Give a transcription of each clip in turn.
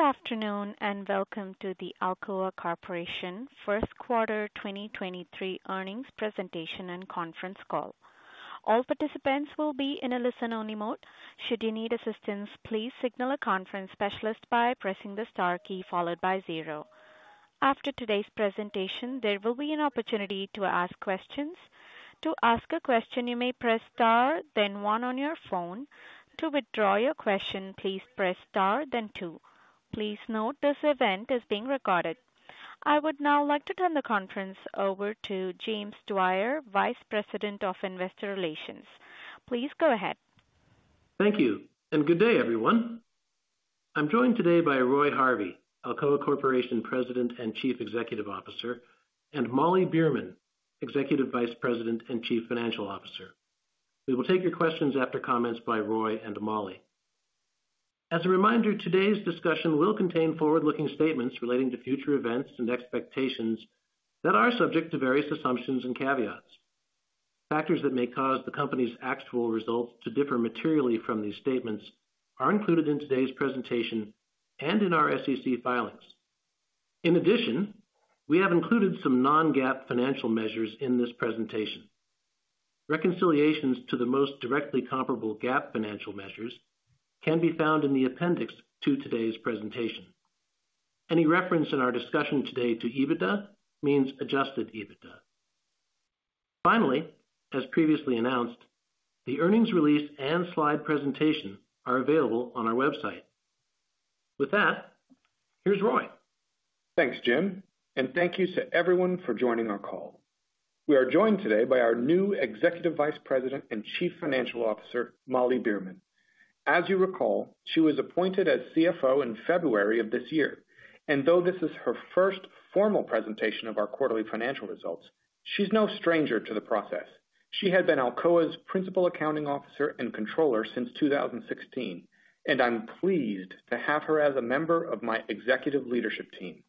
Good afternoon, and welcome to the Alcoa Corporation Q1 2023 Earnings Presentation and Conference Call. All participants will be in a listen-only mode. Should you need assistance, please signal a conference specialist by pressing the Star key followed by 0. After today's presentation, there will be an opportunity to ask questions. To ask a question, you may press Star the 1 on your phone. To withdraw your question, please press Star then 2. Please note this event is being recorded. I would now like to turn the conference over to James Dwyer, Vice President of Investor Relations. Please go ahead. Thank you, and good day, everyone. I'm joined today by Roy Harvey, Alcoa Corporation President and Chief Executive Officer, and Molly Beerman, Executive Vice President and Chief Financial Officer. We will take your questions after comments by Roy and Molly. As a reminder, today's discussion will contain forward-looking statements relating to future events and expectations that are subject to various assumptions and caveats. Factors that may cause the company's actual results to differ materially from these statements are included in today's presentation and in our SEC filings. In addition, we have included some non-GAAP financial measures in this presentation. Reconciliations to the most directly comparable GAAP financial measures can be found in the appendix to today's presentation. Any reference in our discussion today to EBITDA means adjusted EBITDA. Finally, as previously announced, the earnings release and slide presentation are available on our website. With that, here's Roy. Thanks, James, and thank you to everyone for joining our call. We are joined today by our new Executive Vice President and Chief Financial Officer, Molly Beerman. As you recall, she was appointed as CFO in February of this year, and though this is her first formal presentation of our quarterly financial results, she's no stranger to the process. She had been Alcoa's Principal Accounting Officer and Controller since 2016, and I'm pleased to have her as a member of my executive leadership team.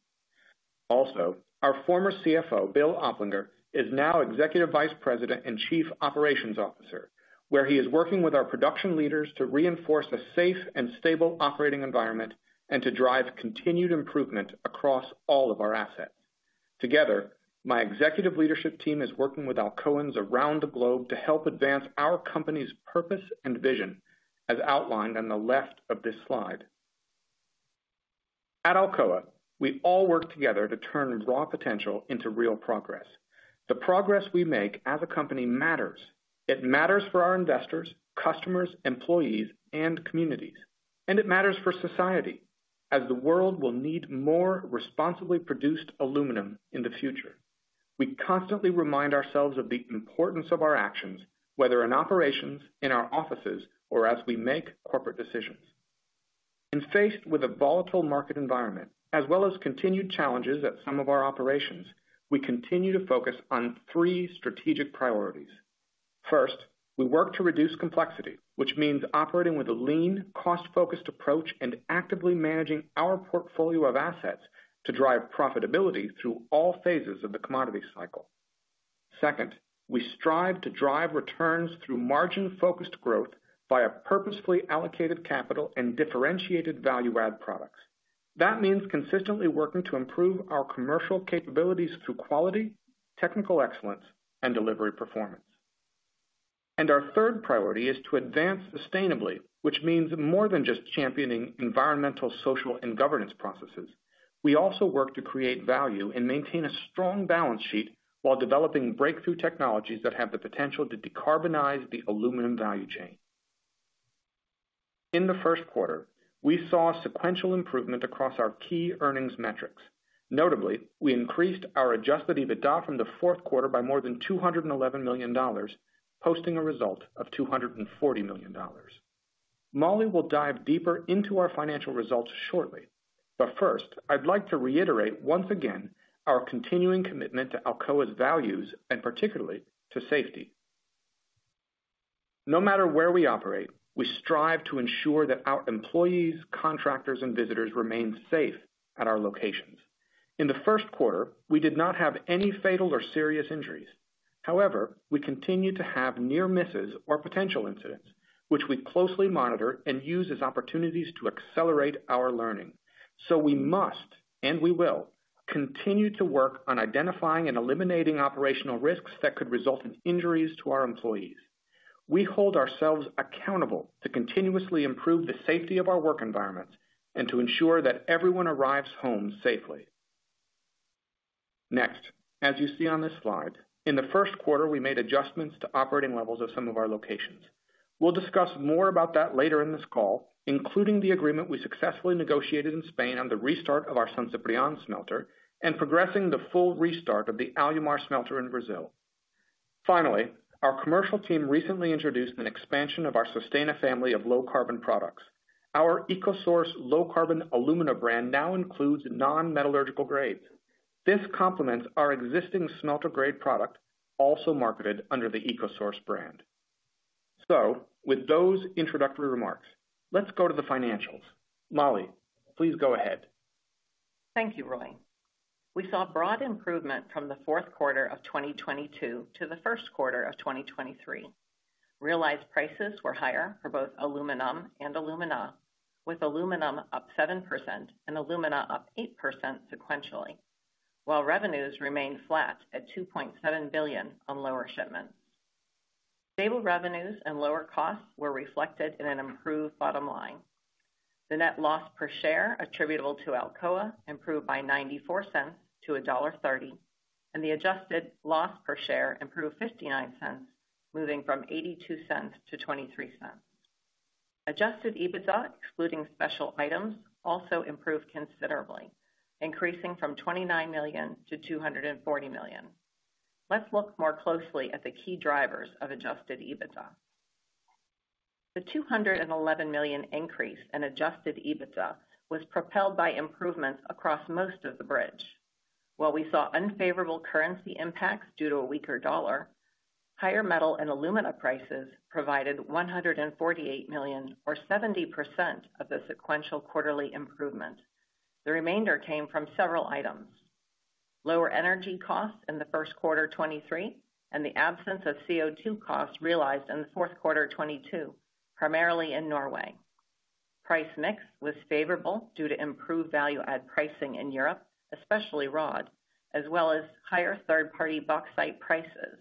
Also, our former CFO, Bill Oplinger, is now Executive Vice President and Chief Operations Officer, where he is working with our production leaders to reinforce a safe and stable operating environment and to drive continued improvement across all of our assets. Together, my executive leadership team is working with Alcoans around the globe to help advance our company's purpose and vision, as outlined on the left of this slide. At Alcoa, we all work together to turn raw potential into real progress. The progress we make as a company matters. It matters for our investors, customers, employees, and communities, and it matters for society, as the world will need more responsibly produced aluminum in the future. We constantly remind ourselves of the importance of our actions, whether in operations, in our offices, or as we make corporate decisions. Faced with a volatile market environment as well as continued challenges at some of our operations, we continue to focus on 3 strategic priorities. First, we work to reduce complexity, which means operating with a lean, cost-focused approach and actively managing our portfolio of assets to drive profitability through all phases of the commodity cycle. Second, we strive to drive returns through margin-focused growth by a purposefully allocated capital and differentiated value-add products. That means consistently working to improve our commercial capabilities through quality, technical excellence, and delivery performance. Our third priority is to advance sustainably, which means more than just championing environmental, social, and governance processes. We also work to create value and maintain a strong balance sheet while developing breakthrough technologies that have the potential to decarbonize the aluminum value chain. In the Q1, we saw sequential improvement across our key earnings metrics. Notably, we increased our adjusted EBITDA from the Q4 by more than $211 million, posting a result of $240 million. Molly will dive deeper into our financial results shortly. First, I'd like to reiterate once again our continuing commitment to Alcoa's values and particularly to safety. No matter where we operate, we strive to ensure that our employees, contractors, and visitors remain safe at our locations. In the Q1, we did not have any fatal or serious injuries. However, we continue to have near misses or potential incidents, which we closely monitor and use as opportunities to accelerate our learning. We must, and we will, continue to work on identifying and eliminating operational risks that could result in injuries to our employees. We hold ourselves accountable to continuously improve the safety of our work environment and to ensure that everyone arrives home safely. As you see on this slide, in the Q1, we made adjustments to operating levels of some of our locations. We'll discuss more about that later in this call, including the agreement we successfully negotiated in Spain on the restart of our San Ciprián smelter and progressing the full restart of the Alumar smelter in Brazil. Our commercial team recently introduced an expansion of our Sustana family of low-carbon products. Our EcoSource low-carbon alumina brand now includes non-metallurgical grades. This complements our existing smelter grade product, also marketed under the EcoSource brand. With those introductory remarks, let's go to the financials. Molly, please go ahead. Thank you, Roy. We saw broad improvement from the Q4 of 2022 to the Q1 of 2023. Realized prices were higher for both aluminum and alumina, with aluminum up 7% and alumina up 8% sequentially, while revenues remained flat at $2.7 billion on lower shipments. Stable revenues and lower costs were reflected in an improved bottom line. The net loss per share attributable to Alcoa improved by $0.94 to $1.30, and the adjusted loss per share improved $0.59, moving from $0.82 to $0.23. Adjusted EBITDA, excluding special items, also improved considerably, increasing from $29 million to $240 million. Let's look more closely at the key drivers of adjusted EBITDA. The $211 million increase in adjusted EBITDA was propelled by improvements across most of the bridge. While we saw unfavorable currency impacts due to a weaker dollar, higher metal and alumina prices provided $148 million or 70% of the sequential quarterly improvement. The remainder came from several items. Lower energy costs in the Q1 2023 and the absence of CO2 costs realized in the Q4 2022, primarily in Norway. Price mix was favorable due to improved value add pricing in Europe, especially rod, as well as higher third-party bauxite prices.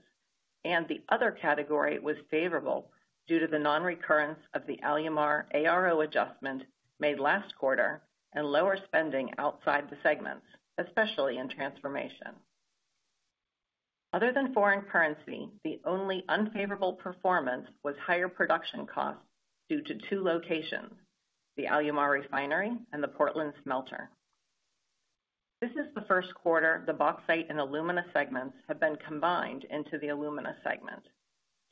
The other category was favorable due to the non-recurrence of the Alumar ARO adjustment made last quarter and lower spending outside the segments, especially in transformation. Other than foreign currency, the only unfavorable performance was higher production costs due to two locations, the Alumar Refinery and the Portland Smelter. This is the Q1 the Bauxite and Alumina segments have been combined into the Alumina segment.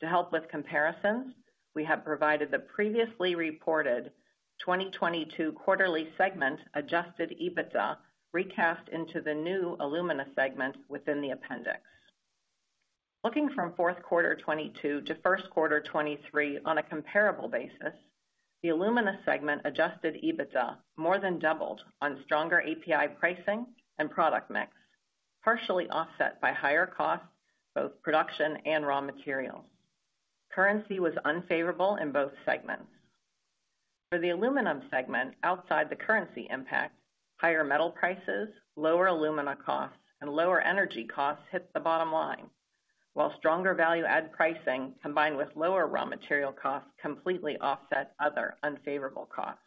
To help with comparisons, we have provided the previously reported 2022 quarterly segment adjusted EBITDA recast into the new alumina segment within the appendix. Looking from Q4 2022 to Q1 2023 on a comparable basis, the alumina segment adjusted EBITDA more than doubled on stronger API pricing and product mix, partially offset by higher costs, both production and raw materials. Currency was unfavorable in both segments. For the aluminum segment outside the currency impact, higher metal prices, lower alumina costs, and lower energy costs hit the bottom line. While stronger value add pricing combined with lower raw material costs completely offset other unfavorable costs.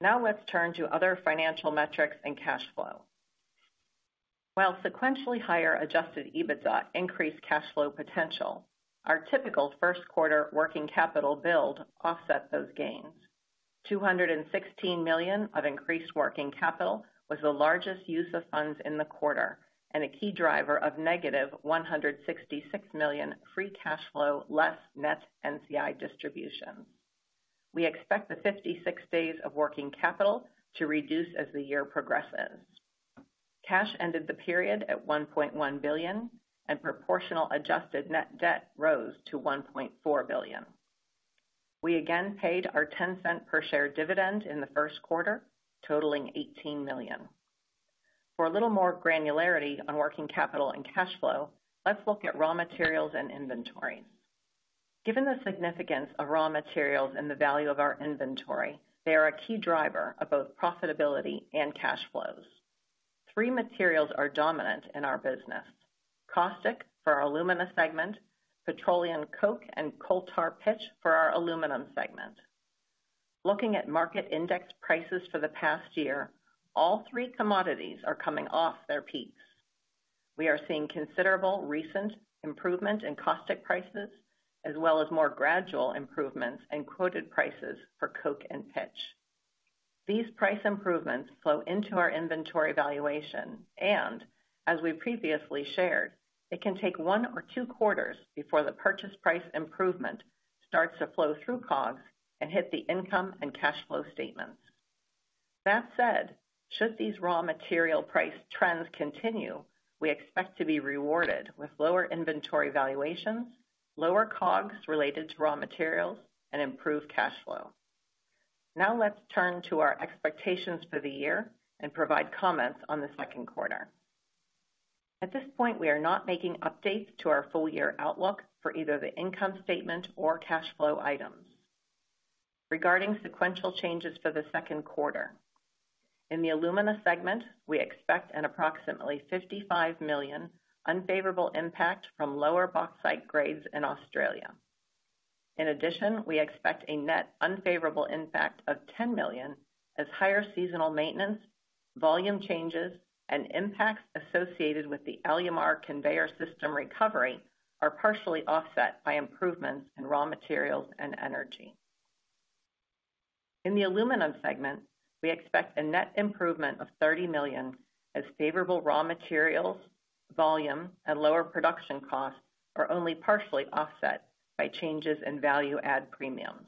Now let's turn to other financial metrics and cash flow. While sequentially higher adjusted EBITDA increased cash flow potential, our typical first working capital build offset those gains. $216 million of increased working capital was the largest use of funds in the quarter and a key driver of -$166 million free cash flow less net NCI distribution. We expect the 56 days of working capital to reduce as the year progresses. Cash ended the period at $1.1 billion, and proportional adjusted net debt rose to $1.4 billion. We again paid our $0.10 per share dividend in the Q1, totaling $18 million. For a little more granularity on working capital and cash flow, let's look at raw materials and inventory. Given the significance of raw materials in the value of our inventory, they are a key driver of both profitability and cash flows. Three materials are dominant in our business. Caustic for our alumina segment, petroleum coke and coal tar pitch for our aluminum segment. Looking at market indexed prices for the past year, all three commodities are coming off their peaks. We are seeing considerable recent improvement in caustic prices, as well as more gradual improvements in quoted prices for coke and pitch. These price improvements flow into our inventory valuation, and as we previously shared, it can take one or two quarters before the purchase price improvement starts to flow through COGS and hit the income and cash flow statements. That said, should these raw material price trends continue, we expect to be rewarded with lower inventory valuations, lower COGS related to raw materials, and improved cash flow. Now let's turn to our expectations for the year and provide comments on the Q2. At this point, we are not making updates to our full-year outlook for either the income statement or cash flow items. Regarding sequential changes for the Q2, in the Alumina segment, we expect an approximately $55 million unfavorable impact from lower bauxite grades in Australia. In addition, we expect a net unfavorable impact of $10 million as higher seasonal maintenance, volume changes, and impacts associated with the Alumar conveyor system recovery are partially offset by improvements in raw materials and energy. In the Aluminum segment, we expect a net improvement of $30 million as favorable raw materials, volume, and lower production costs are only partially offset by changes in value-add premiums.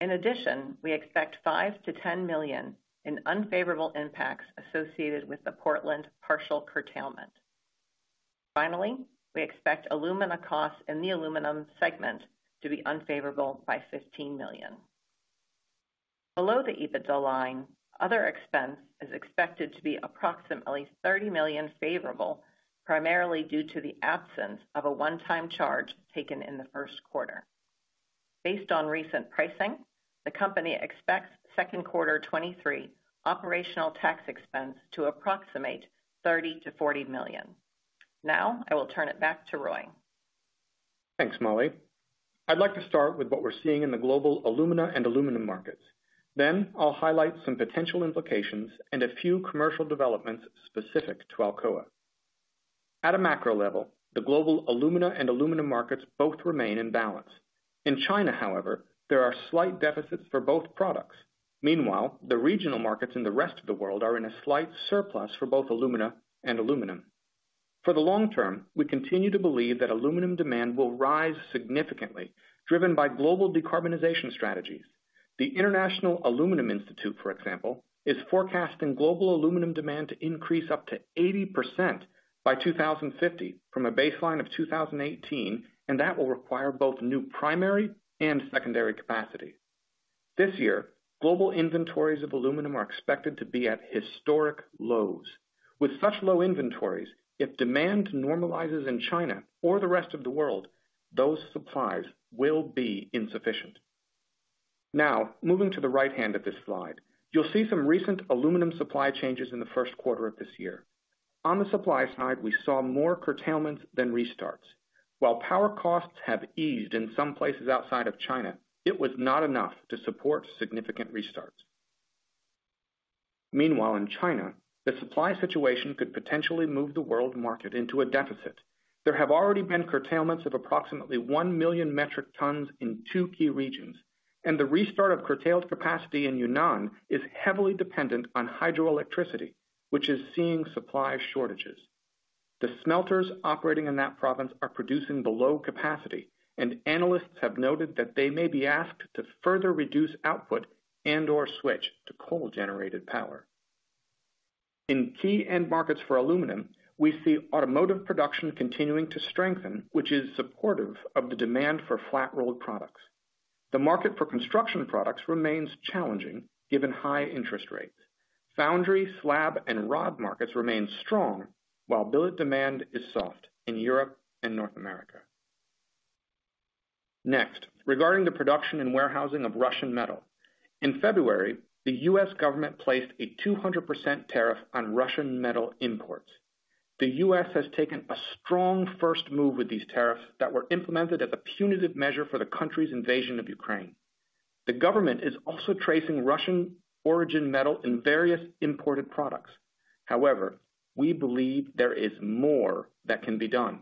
In addition, we expect $5 million-$10 million in unfavorable impacts associated with the Portland partial curtailment. Finally, we expect Alumina costs in the Aluminum segment to be unfavorable by $15 million. Below the EBITDA line, other expense is expected to be approximately $30 million favorable, primarily due to the absence of a one-time charge taken in the Q1. Based on recent pricing, the company expects Q2 2023 operational tax expense to approximate $30 million-$40 million. I will turn it back to Roy. Thanks, Molly. I'd like to start with what we're seeing in the global alumina and aluminum markets. I'll highlight some potential implications and a few commercial developments specific to Alcoa. At a macro level, the global alumina and aluminum markets both remain in balance. In China, however, there are slight deficits for both products. Meanwhile, the regional markets in the rest of the world are in a slight surplus for both alumina and aluminum. For the long term, we continue to believe that aluminum demand will rise significantly, driven by global decarbonization strategies. The International Aluminium Institute, for example, is forecasting global aluminum demand to increase up to 80% by 2050 from a baseline of 2018. That will require both new primary and secondary capacity. This year, global inventories of aluminum are expected to be at historic lows. Moving to the right hand of this slide, you'll see some recent aluminum supply changes in the Q1 of this year. On the supply side, we saw more curtailments than restarts. While power costs have eased in some places outside of China, it was not enough to support significant restarts. Meanwhile, in China, the supply situation could potentially move the world market into a deficit. There have already been curtailments of approximately 1 million metric tons in 2 key regions, and the restart of curtailed capacity in Yunnan is heavily dependent on hydroelectricity, which is seeing supply shortages. The smelters operating in that province are producing below capacity, and analysts have noted that they may be asked to further reduce output and/or switch to coal-generated power. In key end markets for aluminum, we see automotive production continuing to strengthen, which is supportive of the demand for flat-rolled products. The market for construction products remains challenging given high interest rates. Foundry, slab, and rod markets remain strong, while billet demand is soft in Europe and North America. Next, regarding the production and warehousing of Russian metal. In February, the U.S. government placed a 200% tariff on Russian metal imports. The U.S. has taken a strong first move with these tariffs that were implemented as a punitive measure for the country's invasion of Ukraine. The government is also tracing Russian origin metal in various imported products. However, we believe there is more that can be done.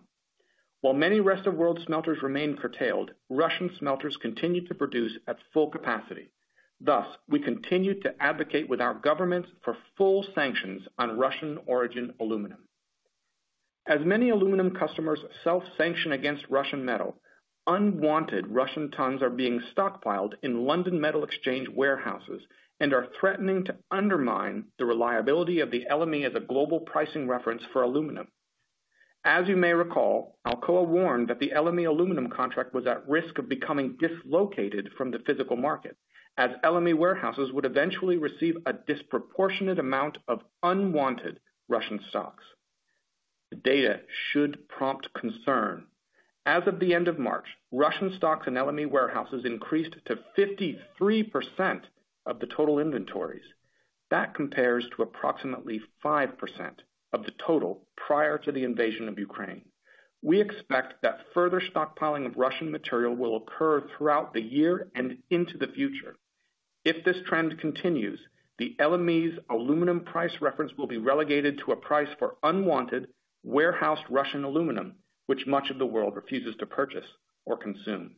While many rest of world smelters remain curtailed, Russian smelters continue to produce at full capacity. Thus, we continue to advocate with our governments for full sanctions on Russian origin aluminum. As many aluminum customers self-sanction against Russian metal, unwanted Russian tons are being stockpiled in London Metal Exchange warehouses and are threatening to undermine the reliability of the LME as a global pricing reference for aluminum. As you may recall, Alcoa warned that the LME aluminum contract was at risk of becoming dislocated from the physical market, as LME warehouses would eventually receive a disproportionate amount of unwanted Russian stocks. The data should prompt concern. As of the end of March, Russian stocks in LME warehouses increased to 53% of the total inventories. That compares to approximately 5% of the total prior to the invasion of Ukraine. We expect that further stockpiling of Russian material will occur throughout the year and into the future. If this trend continues, the LME's aluminum price reference will be relegated to a price for unwanted warehoused Russian aluminum, which much of the world refuses to purchase or consume.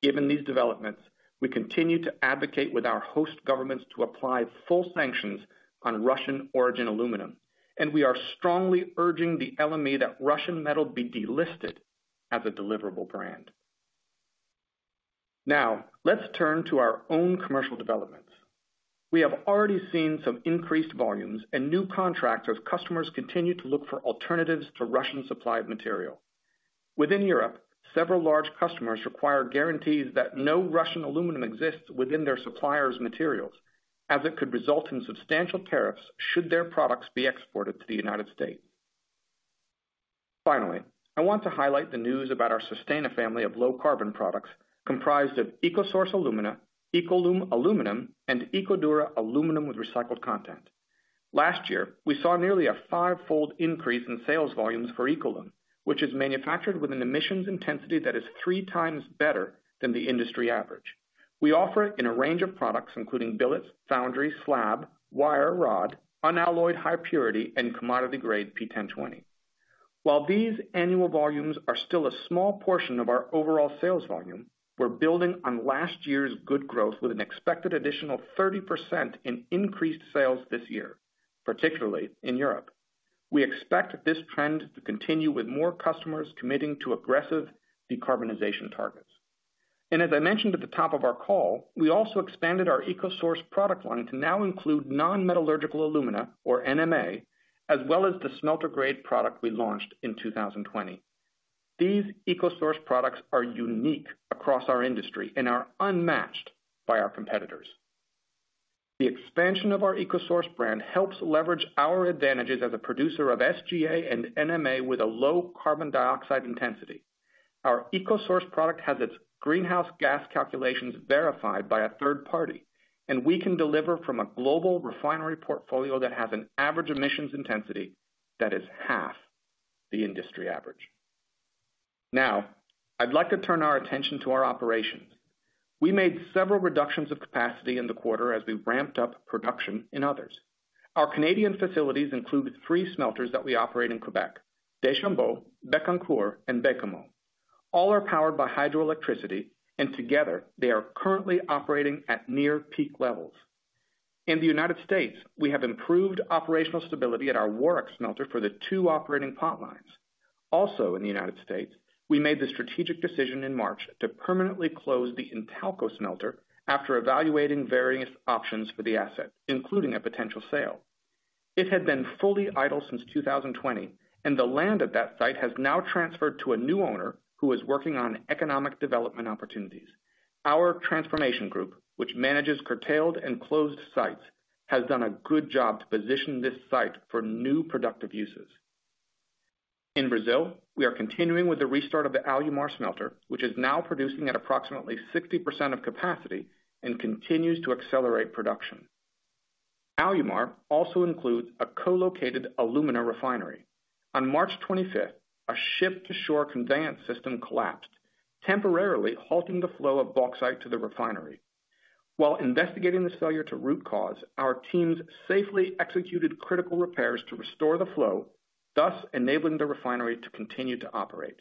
Given these developments, we continue to advocate with our host governments to apply full sanctions on Russian origin aluminum, and we are strongly urging the LME that Russian metal be delisted as a deliverable brand. Let's turn to our own commercial developments. We have already seen some increased volumes and new contracts as customers continue to look for alternatives to Russian-supplied material. Within Europe, several large customers require guarantees that no Russian aluminum exists within their suppliers' materials, as it could result in substantial tariffs should their products be exported to the United States. Finally, I want to highlight the news about our Sustana family of low-carbon products comprised of EcoSource alumina, EcoLum aluminum, and EcoDura aluminum with recycled content. Last year, we saw nearly a five-fold increase in sales volumes for EcoLum, which is manufactured with an emissions intensity that is three times better than the industry average. We offer it in a range of products, including billets, foundry, slab, wire, rod, unalloyed high purity, and commodity grade P1020. While these annual volumes are still a small portion of our overall sales volume, we're building on last year's good growth with an expected additional 30% in increased sales this year, particularly in Europe. We expect this trend to continue with more customers committing to aggressive decarbonization targets. As I mentioned at the top of our call, we also expanded our EcoSource product line to now include non-metallurgical alumina or NMA, as well as the smelter-grade product we launched in 2020. These EcoSource products are unique across our industry and are unmatched by our competitors. The expansion of our EcoSource brand helps leverage our advantages as a producer of SGA and NMA with a low carbon dioxide intensity. Our EcoSource product has its greenhouse gas calculations verified by a third party, and we can deliver from a global refinery portfolio that has an average emissions intensity that is half the industry average. Now, I'd like to turn our attention to our operations. We made several reductions of capacity in the quarter as we ramped up production in others. Our Canadian facilities include three smelters that we operate in Quebec, Deschambault, Bécancour, and Baie-Comeau. All are powered by hydroelectricity, and together they are currently operating at near peak levels. In the United States, we have improved operational stability at our Warwick smelter for the two operating potlines. In the United States, we made the strategic decision in March to permanently close the Intalco smelter after evaluating various options for the asset, including a potential sale. It had been fully idle since 2020, and the land at that site has now transferred to a new owner who is working on economic development opportunities. Our transformation group, which manages curtailed and closed sites, has done a good job to position this site for new productive uses. In Brazil, we are continuing with the restart of the Alumar smelter, which is now producing at approximately 60% of capacity and continues to accelerate production. Alumar also includes a co-located alumina refinery. On March 25th, a ship-to-shore conveyance system collapsed, temporarily halting the flow of bauxite to the refinery. While investigating this failure to root cause, our teams safely executed critical repairs to restore the flow, thus enabling the refinery to continue to operate.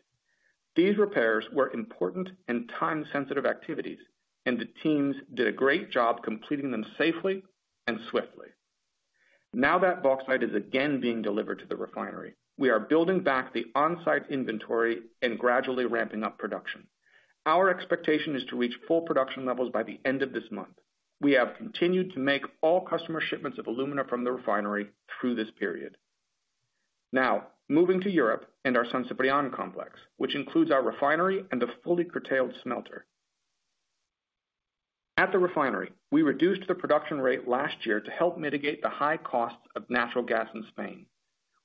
These repairs were important and time-sensitive activities, and the teams did a great job completing them safely and swiftly. Now that bauxite is again being delivered to the refinery, we are building back the on-site inventory and gradually ramping up production. Our expectation is to reach full production levels by the end of this month. We have continued to make all customer shipments of alumina from the refinery through this period. Moving to Europe and our San Ciprián complex, which includes our refinery and the fully curtailed smelter. At the refinery, we reduced the production rate last year to help mitigate the high costs of natural gas in Spain.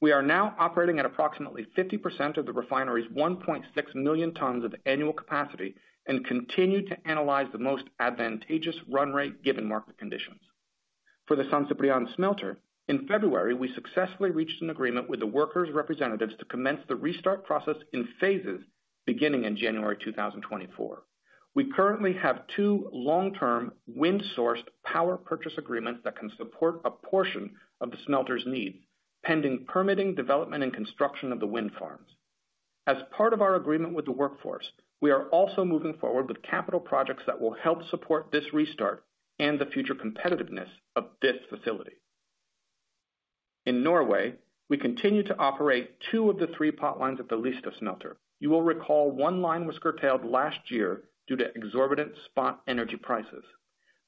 We are now operating at approximately 50% of the refinery's 1.6 million tons of annual capacity and continue to analyze the most advantageous run rate given market conditions. For the San Ciprián smelter, in February, we successfully reached an agreement with the workers' representatives to commence the restart process in phases beginning in January 2024. We currently have two long-term wind-sourced power purchase agreements that can support a portion of the smelter's need, pending permitting, development, and construction of the wind farms. As part of our agreement with the workforce, we are also moving forward with capital projects that will help support this restart and the future competitiveness of this facility. In Norway, we continue to operate 2 of the 3 pot lines at the Lista smelter. You will recall 1 line was curtailed last year due to exorbitant spot energy prices.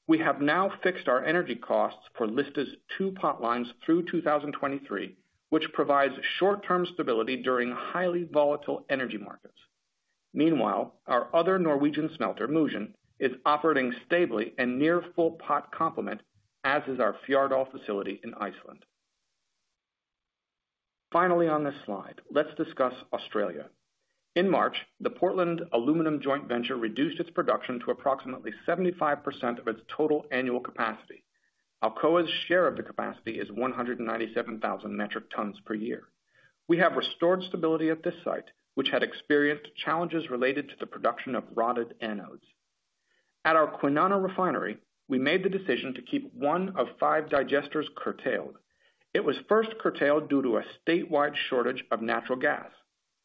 We have now fixed our energy costs for Lista's 2 pot lines through 2023, which provides short-term stability during highly volatile energy markets. Meanwhile, our other Norwegian smelter, Mosjøen, is operating stably and near full pot complement, as is our Fjarðaál facility in Iceland. Finally, on this slide, let's discuss Australia. In March, the Portland Aluminium joint venture reduced its production to approximately 75% of its total annual capacity. Alcoa's share of the capacity is 197,000 metric tons per year. We have restored stability at this site, which had experienced challenges related to the production of rodded anodes. At our Kwinana refinery, we made the decision to keep one of five digesters curtailed. It was first curtailed due to a statewide shortage of natural gas.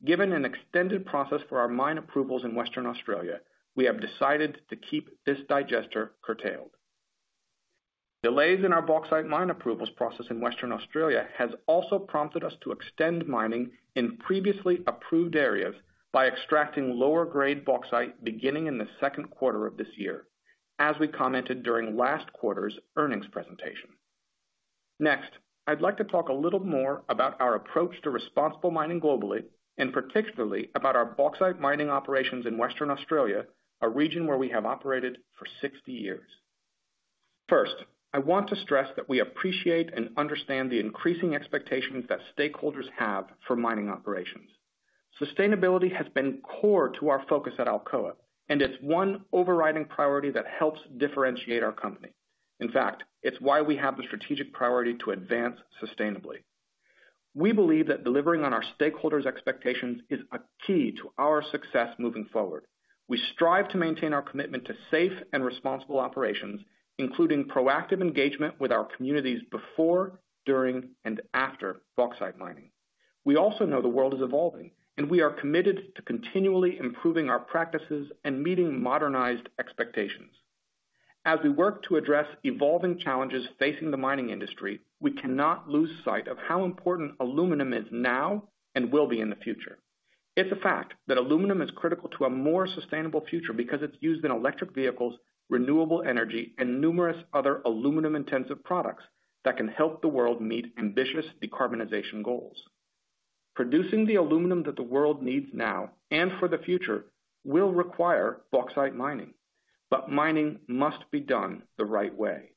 Given an extended process for our mine approvals in Western Australia, we have decided to keep this digester curtailed. Delays in our bauxite mine approvals process in Western Australia has also prompted us to extend mining in previously approved areas by extracting lower-grade bauxite beginning in the Q2 of this year, as we commented during last quarter's earnings presentation. Next, I'd like to talk a little more about our approach to responsible mining globally, and particularly about our bauxite mining operations in Western Australia, a region where we have operated for 60 years. First, I want to stress that we appreciate and understand the increasing expectations that stakeholders have for mining operations. Sustainability has been core to our focus at Alcoa, and it's one overriding priority that helps differentiate our company. In fact, it's why we have the strategic priority to advance sustainably. We believe that delivering on our stakeholders' expectations is a key to our success moving forward. We strive to maintain our commitment to safe and responsible operations, including proactive engagement with our communities before, during, and after bauxite mining. We also know the world is evolving, and we are committed to continually improving our practices and meeting modernized expectations. As we work to address evolving challenges facing the mining industry, we cannot lose sight of how important aluminum is now and will be in the future. It's a fact that aluminum is critical to a more sustainable future because it's used in electric vehicles, renewable energy, and numerous other aluminum-intensive products that can help the world meet ambitious decarbonization goals. Producing the aluminum that the world needs now, and for the future, will require bauxite mining, but mining must be done the right way.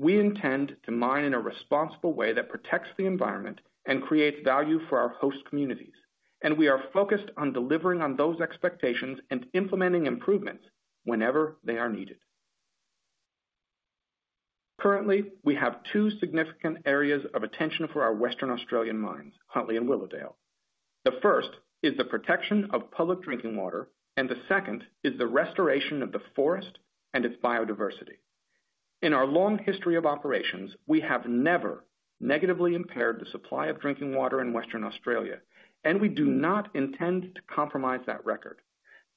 We intend to mine in a responsible way that protects the environment and creates value for our host communities, and we are focused on delivering on those expectations and implementing improvements whenever they are needed. Currently, we have two significant areas of attention for our Western Australian mines, Huntly and Willowdale. The first is the protection of public drinking water, and the second is the restoration of the forest and its biodiversity. In our long history of operations, we have never negatively impaired the supply of drinking water in Western Australia, and we do not intend to compromise that record.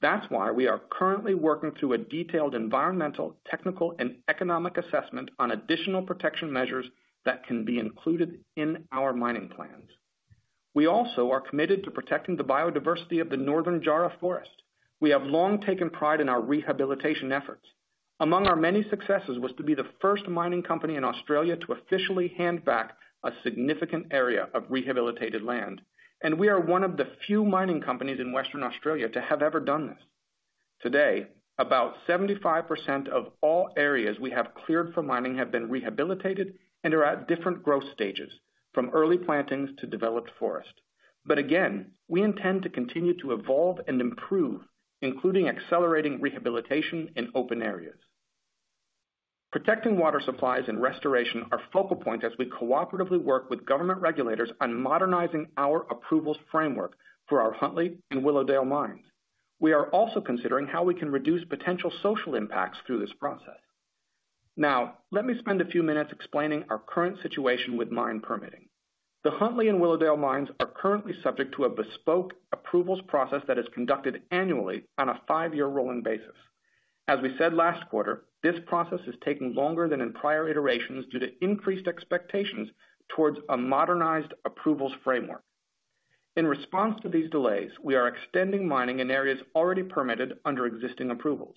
That's why we are currently working through a detailed environmental, technical, and economic assessment on additional protection measures that can be included in our mining plans. We also are committed to protecting the biodiversity of the Northern Jarrah Forest. We have long taken pride in our rehabilitation efforts. Among our many successes was to be the first mining company in Australia to officially hand back a significant area of rehabilitated land, and we are one of the few mining companies in Western Australia to have ever done this. Today, about 75% of all areas we have cleared for mining have been rehabilitated and are at different growth stages from early plantings to developed forest. Again, we intend to continue to evolve and improve, including accelerating rehabilitation in open areas. Protecting water supplies and restoration are focal points as we cooperatively work with government regulators on modernizing our approvals framework for our Huntly and Willowdale mines. We are also considering how we can reduce potential social impacts through this process. Let me spend a few minutes explaining our current situation with mine permitting. The Huntly and Willowdale mines are currently subject to a bespoke approvals process that is conducted annually on a five-year rolling basis. As we said last quarter, this process is taking longer than in prior iterations due to increased expectations towards a modernized approvals framework. In response to these delays, we are extending mining in areas already permitted under existing approvals.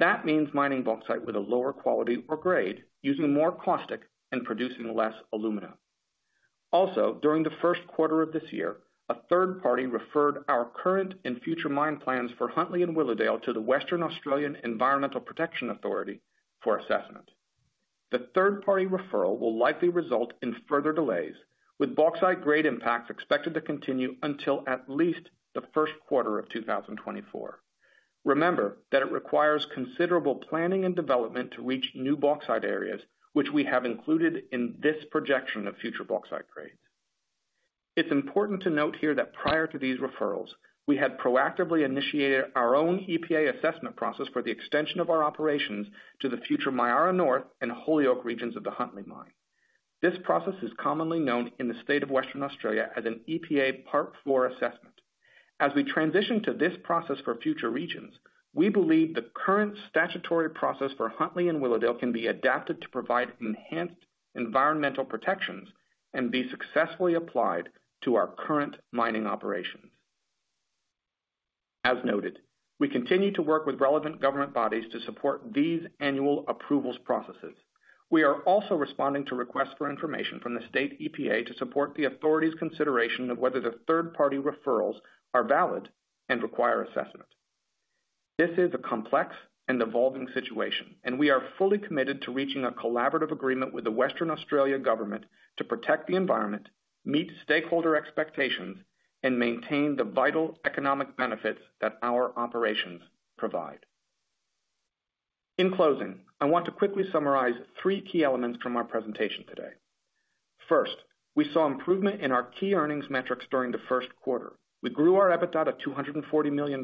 That means mining bauxite with a lower quality or grade, using more caustic and producing less aluminum. Also, during the Q1 of this year, a third party referred our current and future mine plans for Huntly and Willowdale to the Western Australian Environmental Protection Authority for assessment. The third-party referral will likely result in further delays, with bauxite grade impacts expected to continue until at least the Q1 of 2024. Remember that it requires considerable planning and development to reach new bauxite areas, which we have included in this projection of future bauxite grades. It's important to note here that prior to these referrals, we had proactively initiated our own EPA assessment process for the extension of our operations to the future Myara North and Holyoake regions of the Huntly Mine. This process is commonly known in the state of Western Australia as an EPA Part IV assessment. As we transition to this process for future regions, we believe the current statutory process for Huntly and Willowdale can be adapted to provide enhanced environmental protections and be successfully applied to our current mining operations. As noted, we continue to work with relevant government bodies to support these annual approvals processes. We are also responding to requests for information from the state EPA to support the authority's consideration of whether the third-party referrals are valid and require assessment. This is a complex and evolving situation, and we are fully committed to reaching a collaborative agreement with the Western Australian government to protect the environment, meet stakeholder expectations, and maintain the vital economic benefits that our operations provide. In closing, I want to quickly summarize three key elements from our presentation today. First, we saw improvement in our key earnings metrics during the Q1. We grew our EBITDA to $240 million,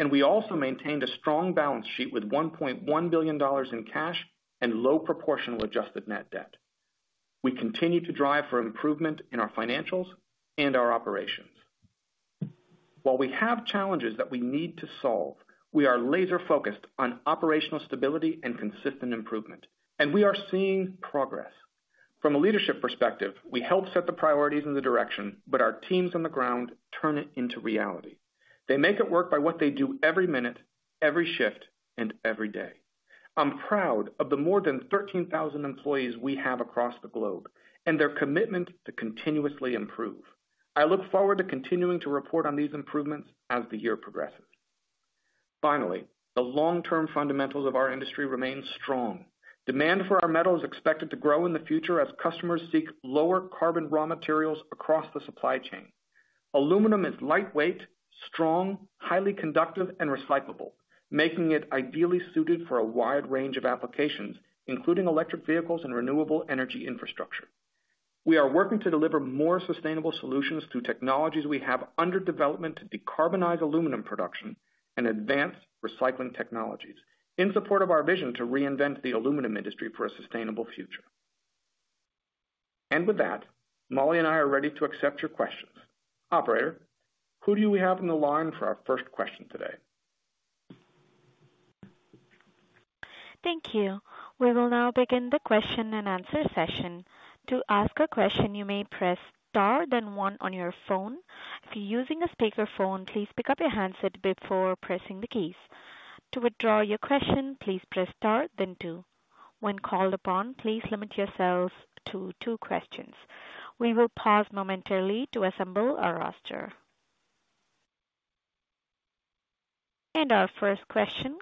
and we also maintained a strong balance sheet with $1.1 billion in cash and low proportional adjusted net debt. We continue to drive for improvement in our financials and our operations. While we have challenges that we need to solve, we are laser-focused on operational stability and consistent improvement, and we are seeing progress. From a leadership perspective, we help set the priorities and the direction, but our teams on the ground turn it into reality. They make it work by what they do every minute, every shift, and every day. I'm proud of the more than 13,000 employees we have across the globe and their commitment to continuously improve. I look forward to continuing to report on these improvements as the year progresses. Finally, the long-term fundamentals of our industry remain strong. Demand for our metal is expected to grow in the future as customers seek lower carbon raw materials across the supply chain. Aluminum is lightweight, strong, highly conductive, and recyclable, making it ideally suited for a wide range of applications, including electric vehicles and renewable energy infrastructure. We are working to deliver more sustainable solutions through technologies we have under development to decarbonize aluminum production and advance recycling technologies in support of our vision to reinvent the aluminum industry for a sustainable future. With that, Molly and I are ready to accept your questions. Operator, who do we have on the line for our first question today? Thank you. We will now begin the question and answer session. To ask a question, you may press Star then 1 on your phone. If you're using a speakerphone, please pick up your handset before pressing the keys. To withdraw your question, please press Star then 2. When called upon, please limit yourselves to two questions. We will pause momentarily to assemble our roster. Our first question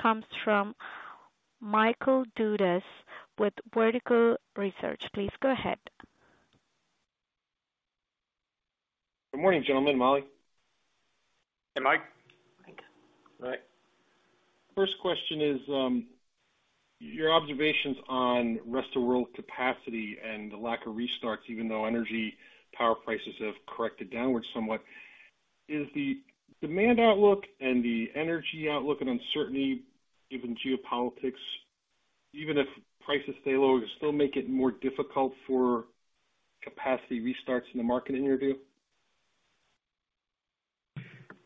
comes from Michael Dudas with Vertical Research. Please go ahead. Good morning, gentlemen. Molly. Hey, Michael. Michael. All right. First question is, your observations on rest of world capacity and the lack of restarts, even though energy power prices have corrected downwards somewhat. Is the demand outlook and the energy outlook and uncertainty given geopolitics, even if prices stay low, does it still make it more difficult for capacity restarts in the market, in your view?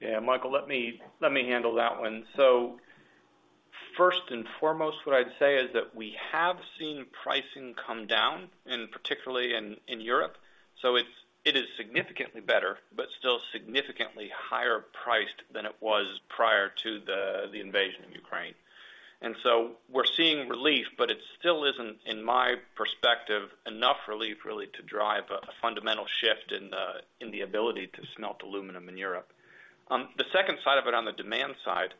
Yeah, Michael, let me handle that one. First and foremost, what I'd say is that we have seen pricing come down, particularly in Europe. It is significantly better, but still significantly higher priced than it was prior to the invasion of Ukraine. We're seeing relief, but it still isn't, in my perspective, enough relief really to drive a fundamental shift in the ability to smelt aluminum in Europe. The second side of it on the demand side,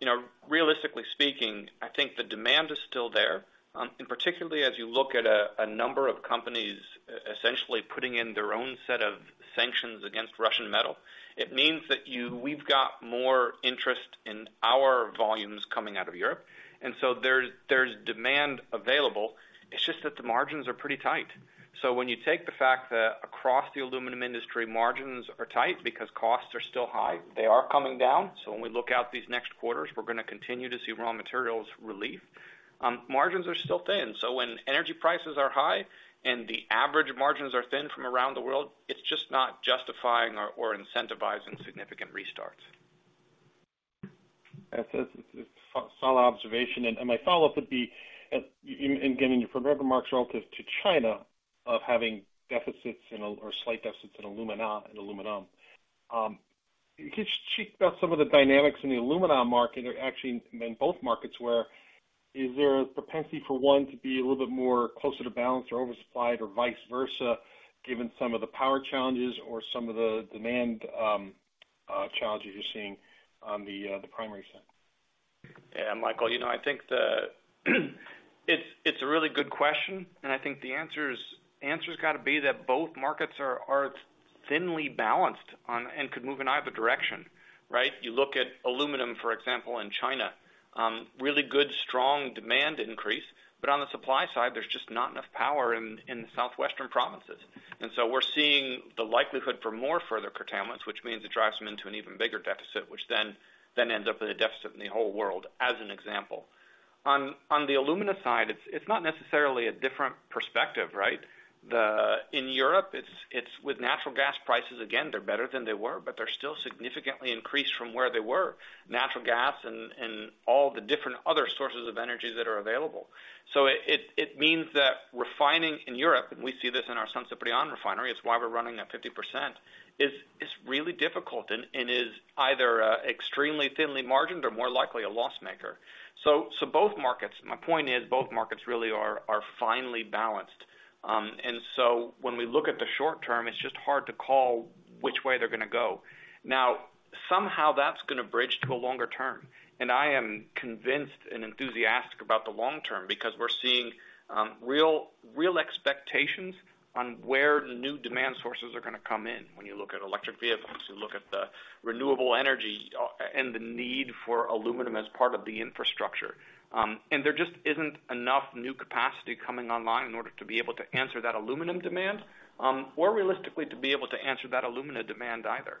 you know, realistically speaking, I think the demand is still there. Particularly as you look at a number of companies essentially putting in their own set of sanctions against Russian metal, it means that we've got more interest in our volumes coming out of Europe. There's demand available. It's just that the margins are pretty tight. When you take the fact that across the aluminum industry, margins are tight because costs are still high, they are coming down. When we look out these next quarters, we're going to continue to see raw materials relief. Margins are still thin. When energy prices are high and the average margins are thin from around the world, it's just not justifying or incentivizing significant restarts. That's it's solid observation. My follow-up would be in getting your former marks relative to China of having deficits in or slight deficits in alumina and aluminum. Can you just tease out some of the dynamics in the aluminum market or actually in both markets where is there a propensity for one to be a little bit more closer to balanced or oversupplied or vice versa, given some of the power challenges or some of the demand challenges you're seeing on the primary side? Yeah, Michael, you know, I think It's, it's a really good question, and I think the answer's gotta be that both markets are thinly balanced on and could move in either direction, right? You look at aluminum, for example, in China, really good, strong demand increase. On the supply side, there's just not enough power in the southwestern provinces. We're seeing the likelihood for more further curtailments, which means it drives them into an even bigger deficit, which then ends up in a deficit in the whole world, as an example. On the alumina side, it's not necessarily a different perspective, right? In Europe, it's with natural gas prices, again, they're better than they were, but they're still significantly increased from where they were, natural gas and all the different other sources of energies that are available. It means that refining in Europe, and we see this in our San Ciprián refinery, it's why we're running at 50%, is really difficult and is either extremely thinly margined or more likely a loss maker. So both markets, my point is both markets really are finely balanced. When we look at the short term, it's just hard to call which way they're gonna go. Now somehow that's gonna bridge to a longer term. I am convinced and enthusiastic about the long term because we're seeing real expectations on where new demand sources are going to come in when you look at electric vehicles, you look at the renewable energy, and the need for aluminum as part of the infrastructure. There just isn't enough new capacity coming online in order to be able to answer that aluminum demand, or realistically to be able to answer that alumina demand either.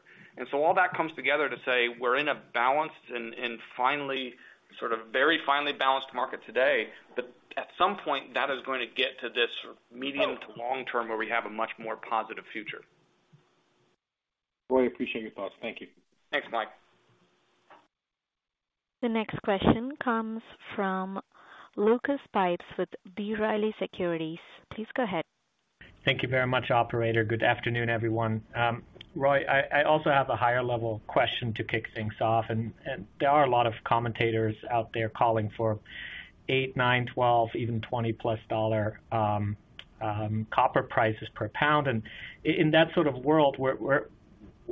All that comes together to say we're in a balanced and finally sort of very finely balanced market today. At some point, that is going to get to this medium to long term where we have a much more positive future. Roy, appreciate your thoughts. Thank you. Thanks, Michael. The next question comes from Lucas Pipes with B. Riley Securities. Please go ahead. Thank you very much, operator. Good afternoon, everyone. Roy, I also have a higher-level question to kick things off. There are a lot of commentators out there calling for $8, $9, $12, even $20+ copper prices per pound. In that sort of world,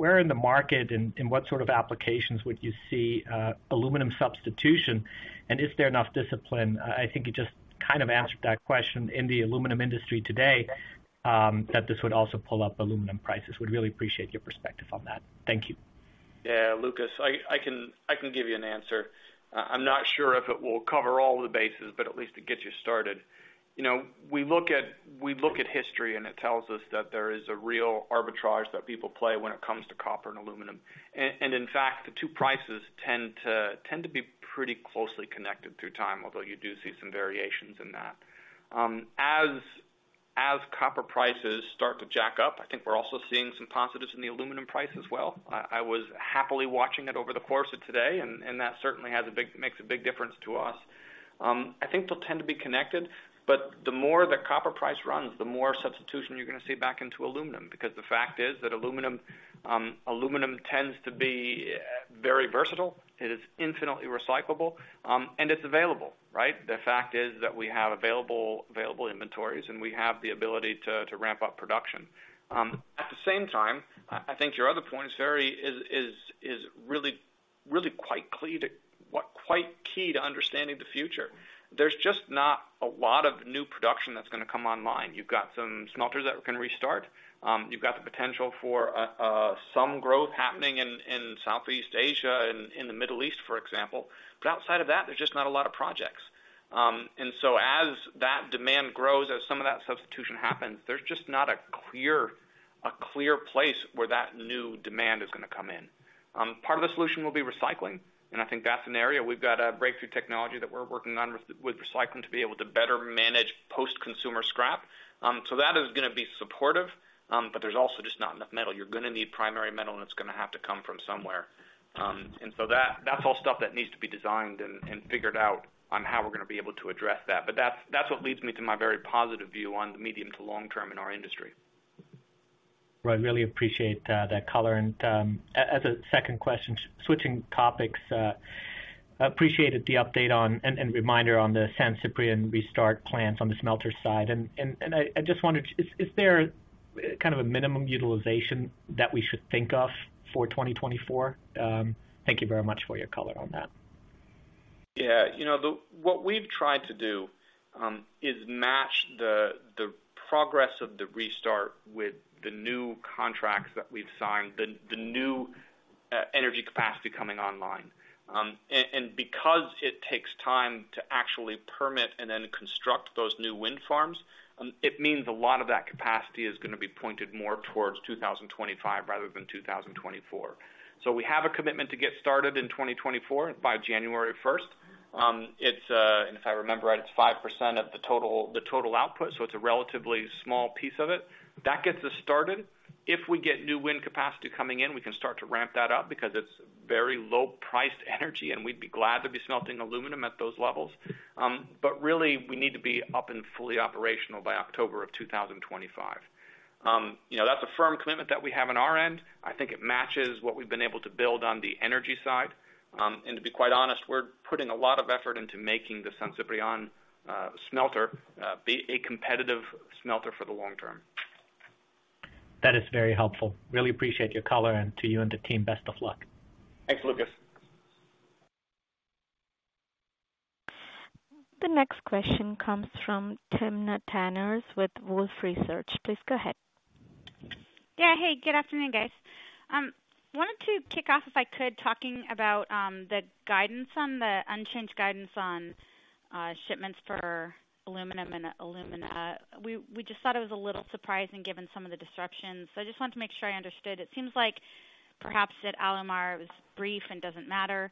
where in the market and what sort of applications would you see, aluminum substitution? Is there enough discipline? I think you just kind of answered that question in the aluminum industry today, that this would also pull up aluminum prices. Would really appreciate your perspective on that. Thank you. Yeah, Lucas, I can give you an answer. I'm not sure if it will cover all the bases, but at least it gets you started. You know, we look at history, and it tells us that there is a real arbitrage that people play when it comes to copper and aluminum. In fact, the two prices tend to be pretty closely connected through time, although you do see some variations in that. As copper prices start to jack up, I think we're also seeing some positives in the aluminum price as well. I was happily watching it over the course of today, and that certainly makes a big difference to us. I think they'll tend to be connected, but the more the copper price runs, the more substitution you're gonna see back into aluminum. Because the fact is that aluminum tends to be very versatile. It is infinitely recyclable, and it's available, right? The fact is that we have available inventories, and we have the ability to ramp up production. At the same time, I think your other point is really quite key to understanding the future. There's just not a lot of new production that's gonna come online. You've got some smelters that can restart. You've got the potential for some growth happening in Southeast Asia and in the Middle East, for example. Outside of that, there's just not a lot of projects. As that demand grows, as some of that substitution happens, there's just not a clear place where that new demand is gonna come in. Part of the solution will be recycling, and I think that's an area we've got a breakthrough technology that we're working on with recycling to be able to better manage post-consumer scrap. That is gonna be supportive, but there's also just not enough metal. You're gonna need primary metal, and it's gonna have to come from somewhere. That's all stuff that needs to be designed and figured out on how we're gonna be able to address that. That's what leads me to my very positive view on the medium to long term in our industry. Right. Really appreciate that color. As a second question, switching topics, appreciated the update on and reminder on the San Ciprián restart plans on the smelter side. I just wondered, is there kind of a minimum utilization that we should think of for 2024? Thank you very much for your color on that. Yeah. You know, what we've tried to do is match the progress of the restart with the new contracts that we've signed, the new energy capacity coming online. Because it takes time to actually permit and then construct those new wind farms, it means a lot of that capacity is gonna be pointed more towards 2025 rather than 2024. We have a commitment to get started in 2024 by January 1st. If I remember right, it's 5% of the total output, so it's a relatively small piece of it. That gets us started. If we get new wind capacity coming in, we can start to ramp that up because it's very low-priced energy, and we'd be glad to be smelting aluminum at those levels. Really, we need to be up and fully operational by October of 2025. You know, that's a firm commitment that we have on our end. I think it matches what we've been able to build on the energy side. To be quite honest, we're putting a lot of effort into making the San Ciprián smelter be a competitive smelter for the long term. That is very helpful. Really appreciate your color, and to you and the team, best of luck. Thanks, Lucas. The next question comes from Timna Tanners with Wolfe Research. Please go ahead. Yeah. Hey, good afternoon, guys. wanted to kick off, if I could, talking about the unchanged guidance on shipments for aluminum and alumina. We just thought it was a little surprising given some of the disruptions. I just wanted to make sure I understood. It seems like perhaps that Alumar was brief and doesn't matter.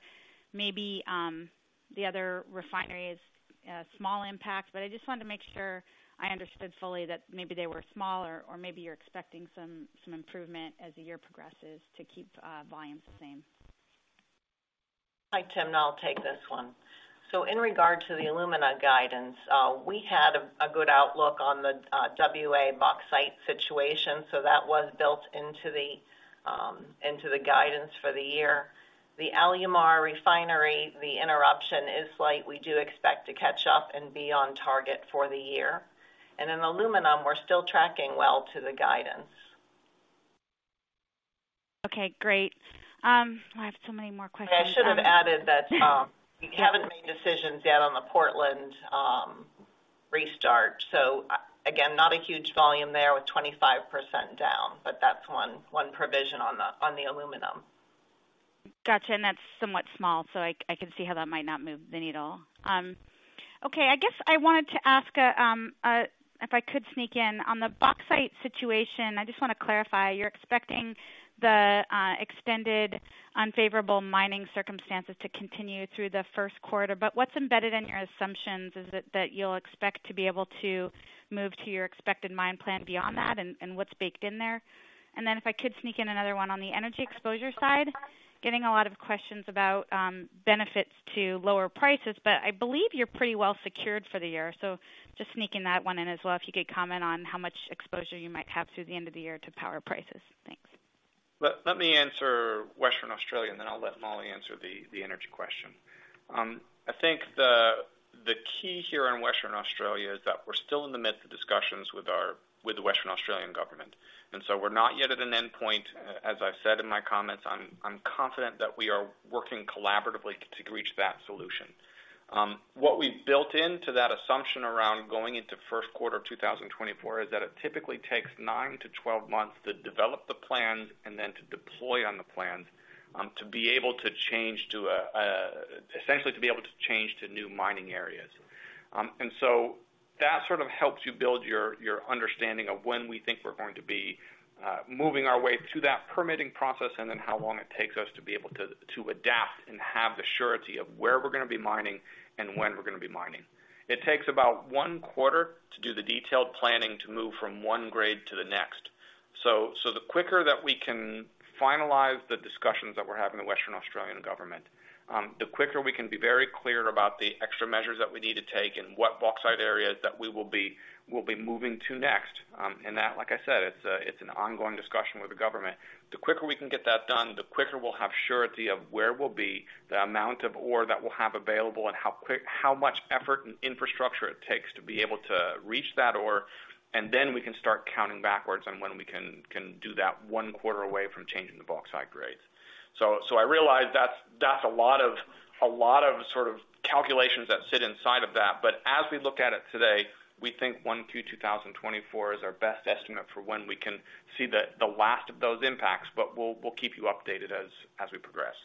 Maybe the other refinery is a small impact, but I just wanted to make sure I understood fully that maybe they were smaller or maybe you're expecting some improvement as the year progresses to keep volumes the same. Hi, Timna. I'll take this one. In regard to the alumina guidance, we had a good outlook on the WA bauxite situation, so that was built into the guidance for the year. The Alumar refinery, the interruption is slight. We do expect to catch up and be on target for the year. In aluminum, we're still tracking well to the guidance. Okay, great. I have so many more questions. I should have added that, we haven't made decisions yet on the Portland, restart. Again, not a huge volume there with 25% down, but that's one provision on the aluminum. Gotcha. That's somewhat small, so I can see how that might not move the needle. Okay, I guess I wanted to ask if I could sneak in. On the bauxite situation, I just wanna clarify, you're expecting the extended unfavorable mining circumstances to continue through the Q1. What's embedded in your assumptions is it that you'll expect to be able to move to your expected mine plan beyond that, and what's baked in there? Then if I could sneak in another one on the energy exposure side, getting a lot of questions about benefits to lower prices, but I believe you're pretty well secured for the year. Just sneaking that one in as well, if you could comment on how much exposure you might have through the end of the year to power prices. Thanks. Let me answer Western Australia, and then I'll let Molly answer the energy question. I think the key here in Western Australia is that we're still in the midst of discussions with the Western Australian government. We're not yet at an endpoint. As I said in my comments, I'm confident that we are working collaboratively to reach that solution. What we've built into that assumption around going into Q1 of 2024 is that it typically takes 9 to 12 months to develop the plans and then to deploy on the plans to be able to change to, essentially, to be able to change to new mining areas. That sort of helps you build your understanding of when we think we're going to be moving our way through that permitting process and then how long it takes us to be able to adapt and have the surety of where we're gonna be mining and when we're gonna be mining. It takes about 1 quarter to do the detailed planning to move from 1 grade to the next. The quicker that we can finalize the discussions that we're having with Western Australian Government, the quicker we can be very clear about the extra measures that we need to take and what bauxite areas that we will be, we'll be moving to next. That like I said, it's an ongoing discussion with the government. The quicker we can get that done, the quicker we'll have surety of where we'll be, the amount of ore that we'll have available, and how much effort and infrastructure it takes to be able to reach that ore. Then we can start counting backwards on when we can do that one quarter away from changing the bauxite grades. I realize that's a lot of sort of calculations that sit inside of that, but as we look at it today, we think Q1 2024 is our best estimate for when we can see the last of those impacts, but we'll keep you updated as we progress.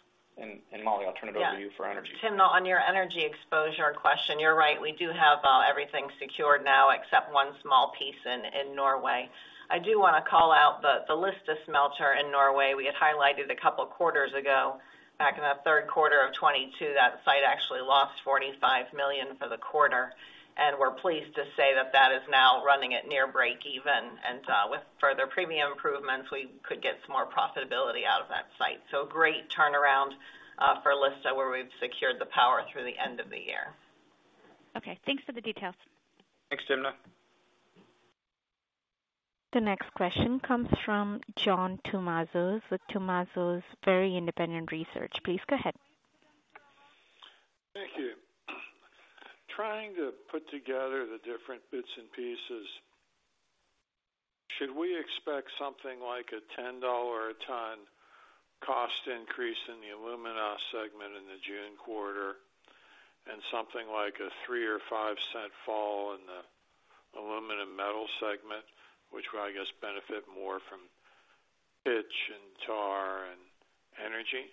Molly, I'll turn it over to you for energy. Yeah. Timna, on your energy exposure question, you're right. We do have everything secured now except one small piece in Norway. I do wanna call out the Lista smelter in Norway. We had highlighted a couple quarters ago, back in the Q3 of 2022, that site actually lost $45 million for the quarter, and we're pleased to say that that is now running at near breakeven. With further premium improvements, we could get some more profitability out of that site. Great turnaround for Lista, where we've secured the power through the end of the year. Okay, thanks for the details. Thanks, Timna. The next question comes from John Tumazos with Tumazos Very Independent Research. Please go ahead. Thank you. Trying to put together the different bits and pieces, should we expect something like a $10 a ton cost increase in the alumina segment in the June quarter and something like a $0.03 or $0.05 fall in the aluminum metal segment, which will, I guess, benefit more from pitch and tar and energy?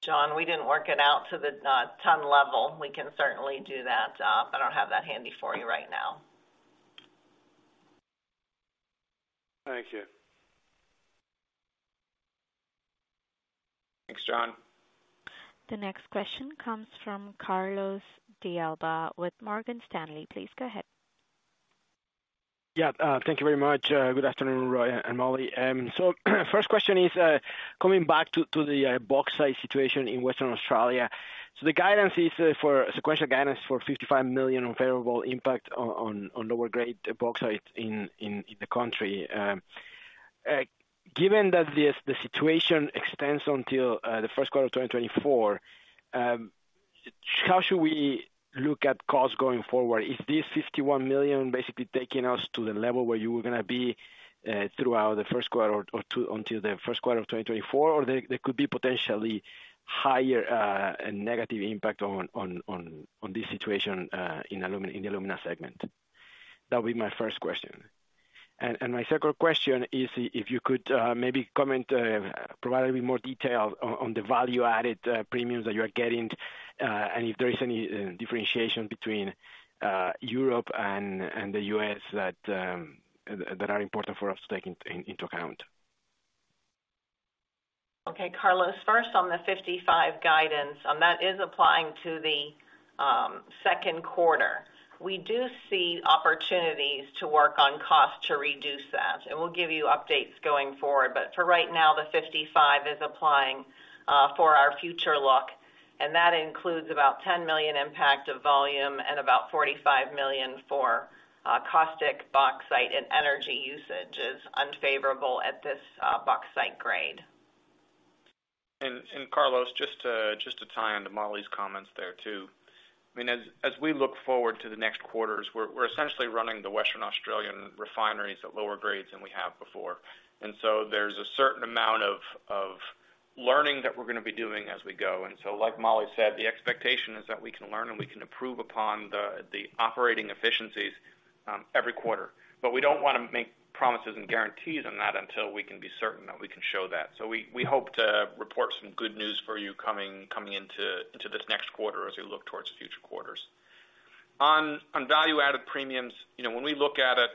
John, we didn't work it out to the ton level. We can certainly do that. I don't have that handy for you right now. Thank you. Thanks, John. The next question comes from Carlos de Alba with Morgan Stanley. Please go ahead. Yeah, thank you very much. Good afternoon, Roy and Molly. First question is, coming back to the bauxite situation in Western Australia. The guidance is for sequential guidance for $55 million unfavorable impact on lower grade bauxite in the country. Given that the situation extends until the Q1 of 2024, how should we look at costs going forward? Is this $51 million basically taking us to the level where you were going to be throughout the Q1 or Q2 until the Q1 of 2024? There could be potentially higher negative impact on this situation in the Alumina segment? That would be my first question. My second question is if you could maybe comment, provide a bit more detail on the value-added premiums that you are getting, and if there is any differentiation between Europe and the U.S. that are important for us to take into account. Okay, Carlos, first on the 55 guidance, and that is applying to the Q2. We do see opportunities to work on costs to reduce that, and we'll give you updates going forward. For right now, the 55 is applying for our future look, and that includes about $10 million impact of volume and about $45 million for caustic, bauxite, and energy usage is unfavorable at this bauxite grade. Carlos, just to tie onto Molly's comments there too. I mean, as we look forward to the next quarters, we're essentially running the Western Australian refineries at lower grades than we have before. There's a certain amount of learning that we're gonna be doing as we go. Like Molly said, the expectation is that we can learn, and we can improve upon the operating efficiencies every quarter. We don't wanna make promises and guarantees on that until we can be certain that we can show that. We hope to report some good news for you coming into this next quarter as we look towards future quarters. On value-added premiums, you know, when we look at it,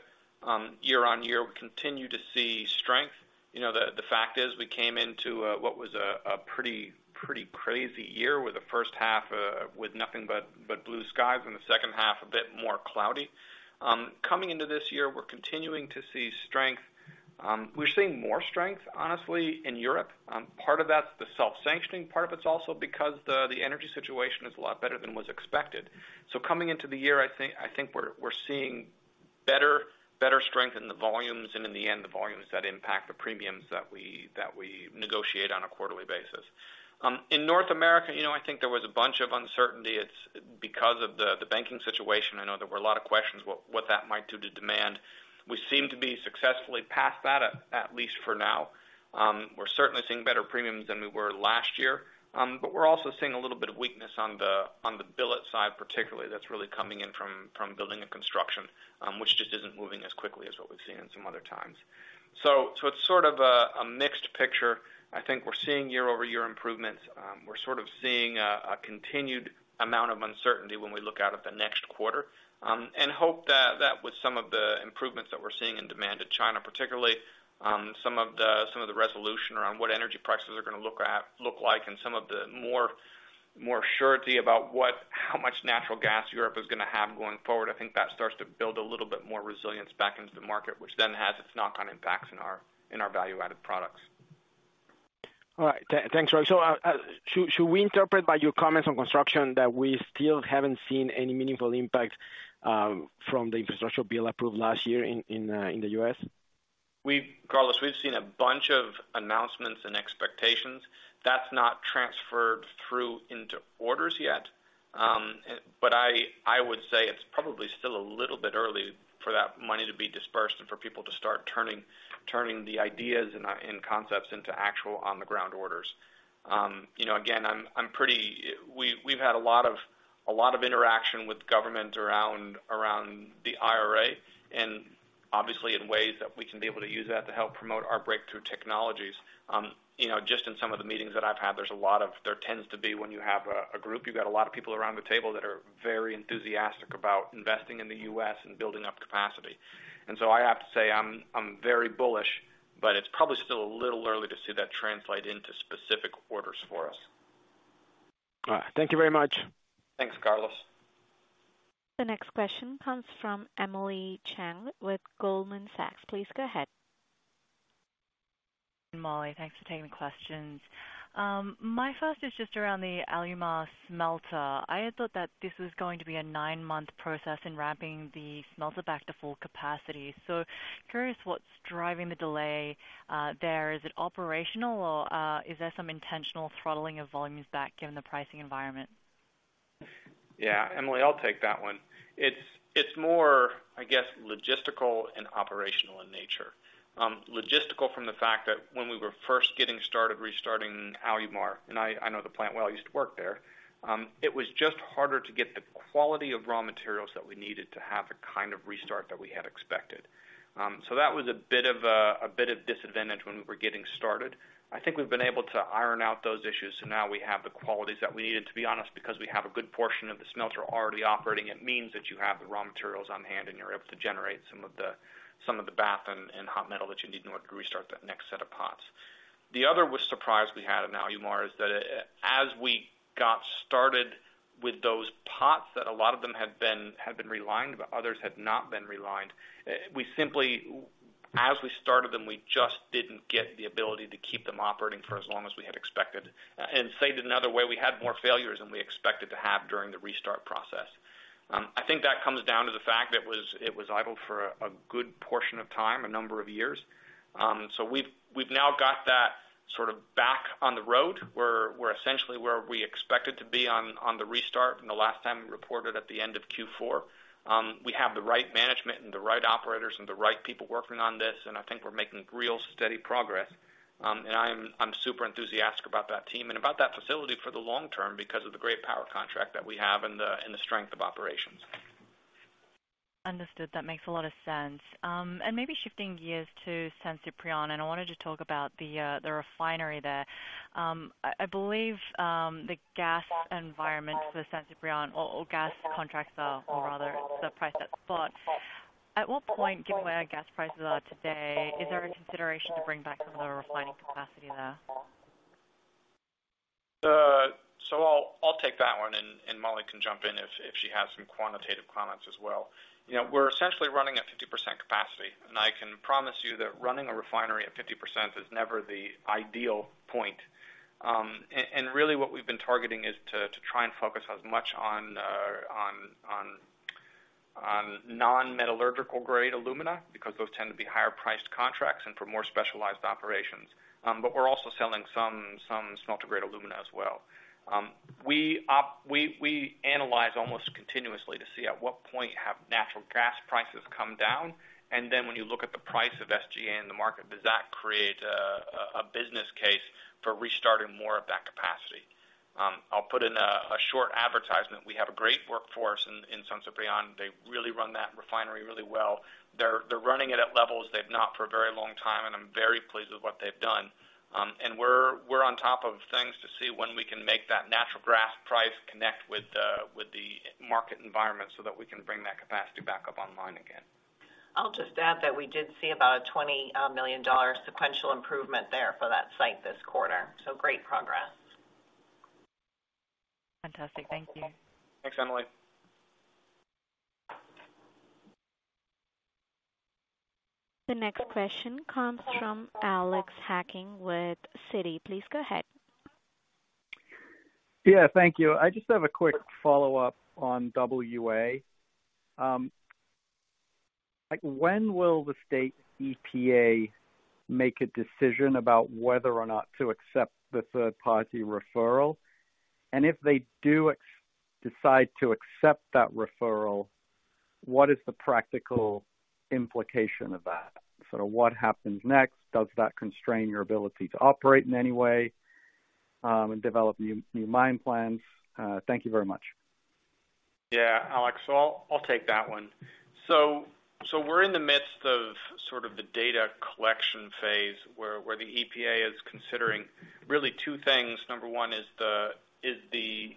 year-on-year, we continue to see strength. You know, the fact is we came into what was a pretty crazy year with the first half with nothing but blue skies and the second half a bit more cloudy. Coming into this year, we're continuing to see strength. We're seeing more strength, honestly, in Europe. Part of that's the self-sanctioning. Part of it's also because the energy situation is a lot better than was expected. Coming into the year, I think we're seeing better strength in the volumes, and in the end, the volumes that impact the premiums that we negotiate on a quarterly basis. In North America, you know, I think there was a bunch of uncertainty. It's because of the banking situation. I know there were a lot of questions what that might do to demand. We seem to be successfully past that, at least for now. We're certainly seeing better premiums than we were last year. We're also seeing a little bit of weakness on the billet side, particularly. That's really coming in from building and construction, which just isn't moving as quickly as what we've seen in some other times. It's sort of a mixed picture. I think we're seeing year-over-year improvements. We're sort of seeing a continued amount of uncertainty when we look out at the next quarter. Hope that with some of the improvements-We're seeing in demand in China, particularly, some of the resolution around what energy prices are gonna look like and some of the more surety about how much natural gas Europe is gonna have going forward. I think that starts to build a little bit more resilience back into the market, which then has its knock-on impacts in our value-added products. All right. Thanks, Roy. Should we interpret by your comments on construction that we still haven't seen any meaningful impact from the infrastructure bill approved last year in the U.S.? Carlos, we've seen a bunch of announcements and expectations. That's not transferred through into orders yet. I would say it's probably still a little bit early for that money to be dispersed and for people to start turning the ideas and concepts into actual on-the-ground orders. you know, again, We've had a lot of interaction with government around the IRA, and obviously in ways that we can be able to use that to help promote our breakthrough technologies. you know, just in some of the meetings that I've had, There tends to be when you have a group, you've got a lot of people around the table that are very enthusiastic about investing in the U.S. and building up capacity. I have to say I'm very bullish, but it's probably still a little early to see that translate into specific orders for us. All right. Thank you very much. Thanks, Carlos. The next question comes from Emily Chieng with Goldman Sachs. Please go ahead. Molly, thanks for taking the questions. My first is just around the Alumar smelter. I had thought that this was going to be a nine-month process in ramping the smelter back to full capacity. Curious what's driving the delay, there. Is it operational or, is there some intentional throttling of volumes back given the pricing environment? Yeah, Emily, I'll take that one. It's more, I guess, logistical and operational in nature. Logistical from the fact that when we were first getting started restarting Alumar, and I know the plant well, I used to work there, it was just harder to get the quality of raw materials that we needed to have the kind of restart that we had expected. That was a bit of a bit of disadvantage when we were getting started. I think we've been able to iron out those issues, now we have the qualities that we needed. To be honest, because we have a good portion of the smelter already operating, it means that you have the raw materials on hand, and you're able to generate some of the bath and hot metal that you need in order to restart that next set of pots. The other surprise we had in Alumar is that as we got started with those pots, that a lot of them had been relined, but others had not been relined. As we started them, we just didn't get the ability to keep them operating for as long as we had expected. Stated another way, we had more failures than we expected to have during the restart process. I think that comes down to the fact that it was idle for a good portion of time, a number of years. We've now got that sort of back on the road. We're essentially where we expected to be on the restart than the last time we reported at the end of Q4. We have the right management and the right operators and the right people working on this, and I think we're making real steady progress. And I'm super enthusiastic about that team and about that facility for the long term because of the great power contract that we have and the strength of operations. Understood. That makes a lot of sense. Maybe shifting gears to San Ciprián, I wanted to talk about the refinery there. I believe, the gas environment for San Ciprián or gas contracts are, or rather the price that's bought. At what point, given where gas prices are today, is there a consideration to bring back some of the refining capacity there? I'll take that one, and Molly can jump in if she has some quantitative comments as well. You know, we're essentially running at 50% capacity, and I can promise you that running a refinery at 50% is never the ideal point. Really what we've been targeting is to try and focus as much on non-metallurgical grade alumina because those tend to be higher-priced contracts and for more specialized operations. We're also selling some smelter-grade alumina as well. We analyze almost continuously to see at what point have natural gas prices come down, and then when you look at the price of SGA in the market, does that create a business case for restarting more of that capacity? I'll put in a short advertisement. We have a great workforce in San Ciprián. They really run that refinery really well. They're running it at levels they've not for a very long time, and I'm very pleased with what they've done. We're on top of things to see when we can make that natural gas price connect with the market environment so that we can bring that capacity back up online again. I'll just add that we did see about a $20 million sequential improvement there for that site this quarter. Great progress. Fantastic. Thank you. Thanks, Emily. The next question comes from Alex Hacking with Citi. Please go ahead. Yeah, thank you. I just have a quick follow-up on WA. like, when will the state EPA make a decision about whether or not to accept the third-party referral? If they do decide to accept that referral, what is the practical implication of that? Sort of what happens next? Does that constrain your ability to operate in any way, and develop new mine plans? Thank you very much. Yeah. Alex, I'll take that one. We're in the midst of sort of the data collection phase where the EPA is considering really 2 things. Number 1 is the, is the, is the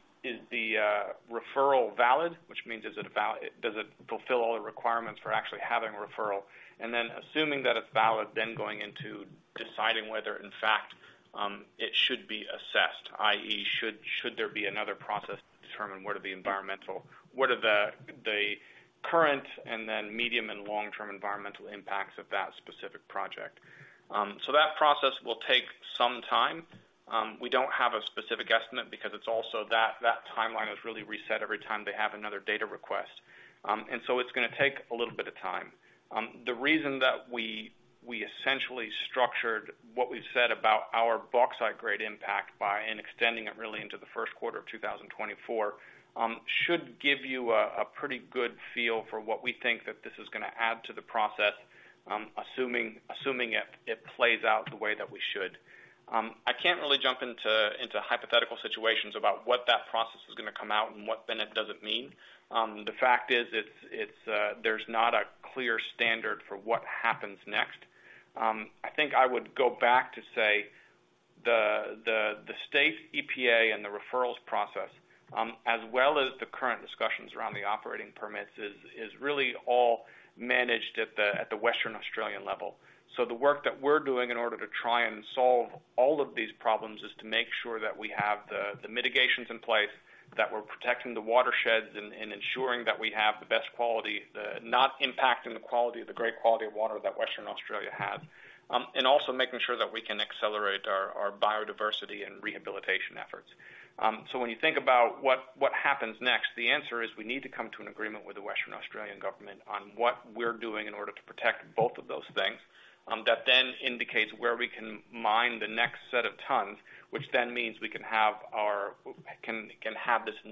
referral valid? Which means does it fulfill all the requirements for actually having a referral? And then assuming that it's valid, then going into deciding whether in fact, it should be assessed, i.e. should there be another process to determine what are the environmental, what are the current and then medium and long-term environmental impacts of that specific project. That process will take some time. We don't have a specific estimate because it's also that timeline is really reset every time they have another data request. It's gonna take a little bit of time. The reason that we essentially structured what we've said about our bauxite grade impact extending it really into the 1st quarter of 2024 should give you a pretty good feel for what we think that this is gonna add to the process, assuming it plays out the way that we should. I can't really jump into hypothetical situations about what that process is gonna come out and what then it doesn't mean. The fact is it's there's not a clear standard for what happens next. I think I would go back to say the state EPA and the referrals process, as well as the current discussions around the operating permits is really all managed at the Western Australian level. The work that we're doing in order to try and solve all of these problems is to make sure that we have the mitigations in place, that we're protecting the watersheds and ensuring that we have the best quality, not impacting the quality of the great quality of water that Western Australia has. And also making sure that we can accelerate our biodiversity and rehabilitation efforts. When you think about what happens next, the answer is we need to come to an agreement with the Western Australian government on what we're doing in order to protect both of those things, that indicates where we can mine the next set of tons, which means we can have our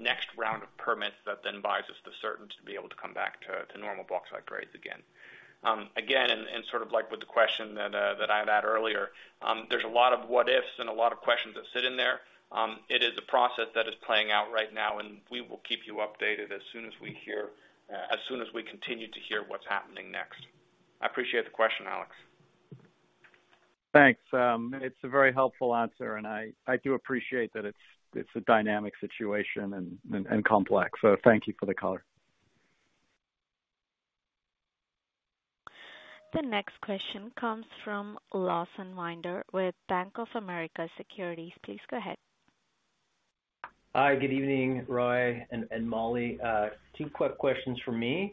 next round of permits that buys us the certainty to be able to come back to normal bauxite grades again. Again, and sort of like with the question that I had earlier, there's a lot of what-ifs and a lot of questions that sit in there. It is a process that is playing out right now, and we will keep you updated as soon as we hear, as soon as we continue to hear what's happening next.I appreciate the question, Alex. Thanks. It's a very helpful answer, and I do appreciate that it's a dynamic situation and complex. Thank you for the color. The next question comes from Lawson Winder with Bank of America Securities. Please go ahead. Hi, good evening, Roy and Molly. Two quick questions from me.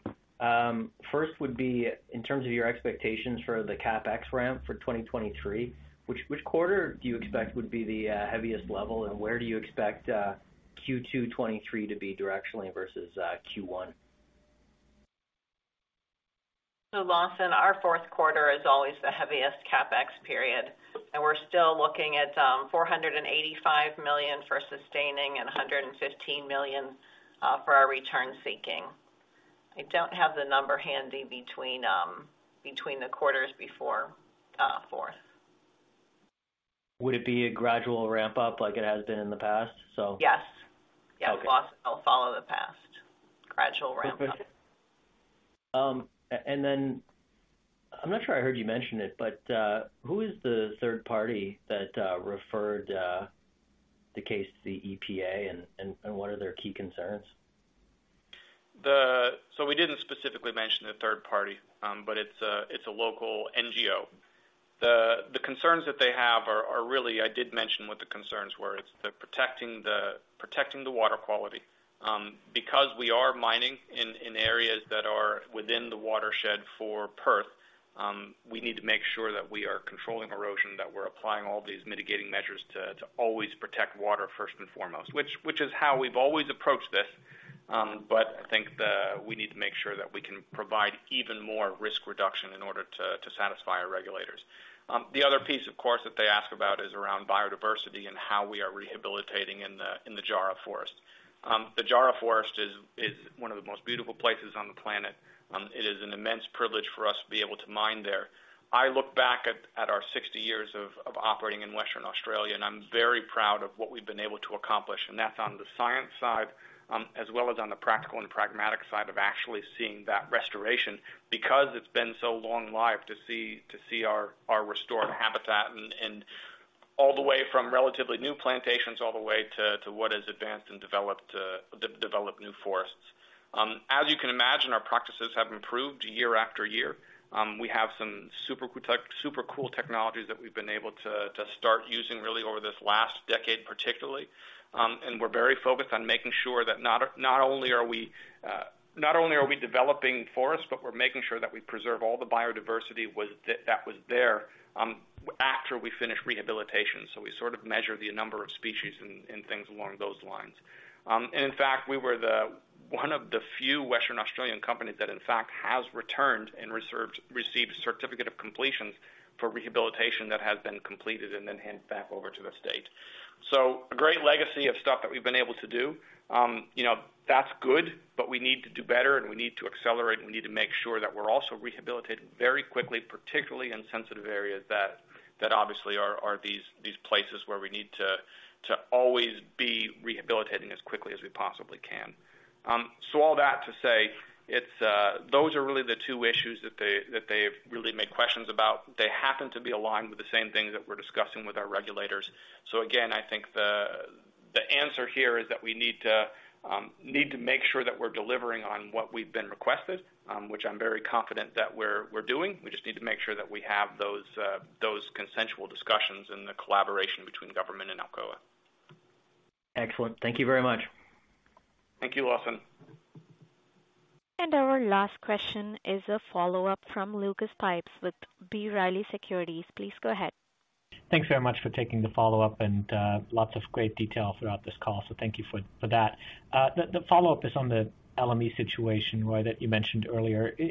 First would be in terms of your expectations for the CapEx ramp for 2023, which quarter do you expect would be the heaviest level? Where do you expect Q2 2023 to be directionally versus Q1? Lawson, our Q4 is always the heaviest CapEx period, and we're still looking at $485 million for sustaining and $115 million for our return seeking. I don't have the number handy between between the quarters before Q4. Would it be a gradual ramp up like it has been in the past? Yes. Okay. Yes, Lawson, it'll follow the past gradual ramp up. I'm not sure I heard you mention it, but, who is the third party that referred the case to the EPA and what are their key concerns? We didn't specifically mention the third party, but it's a local NGO. The concerns that they have are, I did mention what the concerns were. It's protecting the water quality. Because we are mining in areas that are within the watershed for Perth, we need to make sure that we are controlling erosion, that we're applying all these mitigating measures to always protect water first and foremost, which is how we've always approached this. I think we need to make sure that we can provide even more risk reduction in order to satisfy our regulators. The other piece, of course, that they ask about is around biodiversity and how we are rehabilitating in the Jarrah Forest. The Jarrah Forest is one of the most beautiful places on the planet. It is an immense privilege for us to be able to mine there. I look back at our 60 years of operating in Western Australia, and I'm very proud of what we've been able to accomplish, and that's on the science side, as well as on the practical and pragmatic side of actually seeing that restoration because it's been so long live to see our restored habitat and all the way from relatively new plantations all the way to what is advanced and developed new forests. As you can imagine, our practices have improved year after year. We have some super cool technologies that we've been able to start using really over this last decade, particularly. We're very focused on making sure that not only are we developing forests, but we're making sure that we preserve all the biodiversity that was there after we finish rehabilitation. We sort of measure the number of species and things along those lines. In fact, we were the one of the few Western Australian companies that in fact has returned and received certificate of completions for rehabilitation that has been completed and then handed back over to the State. A great legacy of stuff that we've been able to do. you know, that's good. We need to do better, and we need to accelerate, and we need to make sure that we're also rehabilitating very quickly, particularly in sensitive areas that obviously are these places where we need to always be rehabilitating as quickly as we possibly can. All that to say, it's those are really the two issues that they've really made questions about. They happen to be aligned with the same things that we're discussing with our regulators. Again, I think the answer here is that we need to make sure that we're delivering on what we've been requested, which I'm very confident that we're doing. We just need to make sure that we have those consensual discussions and the collaboration between government and Alcoa. Excellent. Thank you very much. Thank you, Lawson. Our last question is a follow-up from Lucas Pipes with B. Riley Securities. Please go ahead. Thanks very much for taking the follow-up. Lots of great detail throughout this call, so thank you for that. The follow-up is on the LME situation, Roy, that you mentioned earlier. Do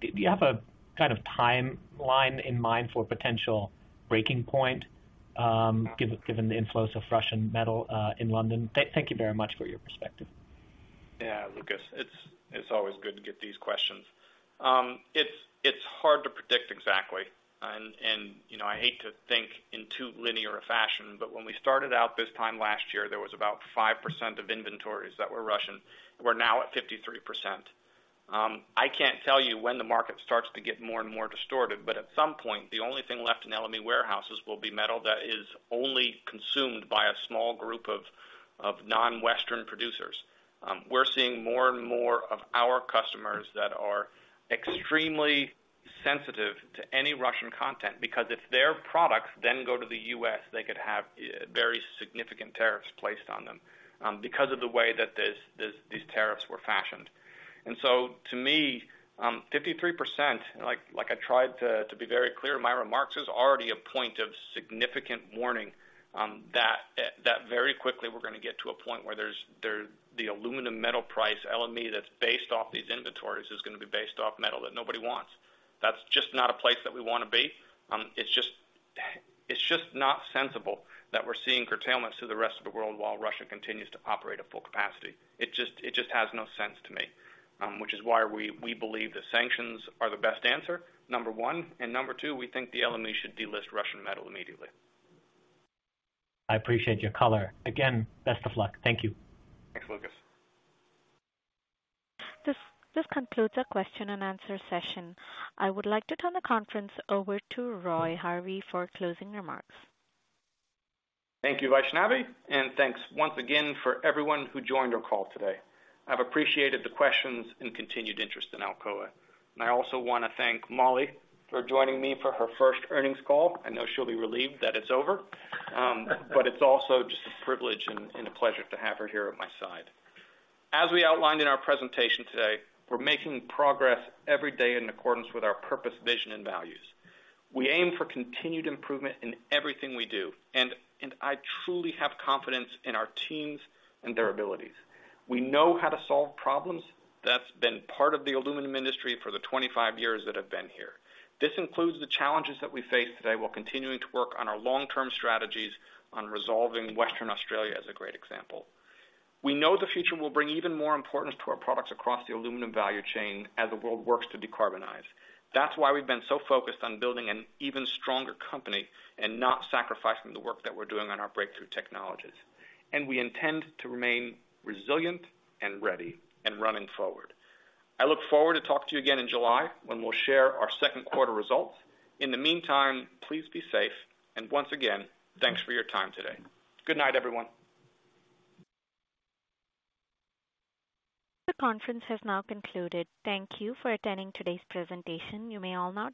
you have a kind of timeline in mind for potential breaking point, given the inflows of Russian metal in London? Thank you very much for your perspective. Yeah, Lucas. It's always good to get these questions. It's hard to predict exactly, and you know, I hate to think in too linear a fashion. When we started out this time last year, there was about 5% of inventories that were Russian. We're now at 53%. I can't tell you when the market starts to get more and more distorted. At some point, the only thing left in LME warehouses will be metal that is only consumed by a small group of non-Western producers. We're seeing more and more of our customers that are extremely sensitive to any Russian content because if their products then go to the U.S., they could have very significant tariffs placed on them because of the way that these tariffs were fashioned. To me, 53%, like I tried to be very clear in my remarks, is already a point of significant warning that very quickly we're gonna get to a point where the aluminum metal price, LME, that's based off these inventories is gonna be based off metal that nobody wants. That's just not a place that we wanna be. It's just not sensible that we're seeing curtailments to the rest of the world while Russia continues to operate at full capacity. It has no sense to me, which is why we believe the sanctions are the best answer, number 1, and number 2, we think the LME should delist Russian metal immediately. I appreciate your color. Best of luck. Thank you. Thanks, Lucas. This concludes our question-and-answer session. I would like to turn the conference over to Roy Harvey for closing remarks. Thank you, Vaishnavi. Thanks once again for everyone who joined our call today. I've appreciated the questions and continued interest in Alcoa. I also wanna thank Molly for joining me for her first earnings call. I know she'll be relieved that it's over. But it's also just a privilege and a pleasure to have her here at my side. As we outlined in our presentation today, we're making progress every day in accordance with our purpose, vision, and values. We aim for continued improvement in everything we do, and I truly have confidence in our teams and their abilities. We know how to solve problems. That's been part of the aluminum industry for the 25 years that I've been here. This includes the challenges that we face today while continuing to work on our long-term strategies on resolving Western Australia, as a great example. We know the future will bring even more importance to our products across the aluminum value chain as the world works to decarbonize. That's why we've been so focused on building an even stronger company and not sacrificing the work that we're doing on our breakthrough technologies. We intend to remain resilient and ready and running forward. I look forward to talking to you again in July when we'll share our Q2 results. In the meantime, please be safe. Once again, thanks for your time today. Good night, everyone. The conference has now concluded. Thank you for attending today's presentation. You may all now disconnect.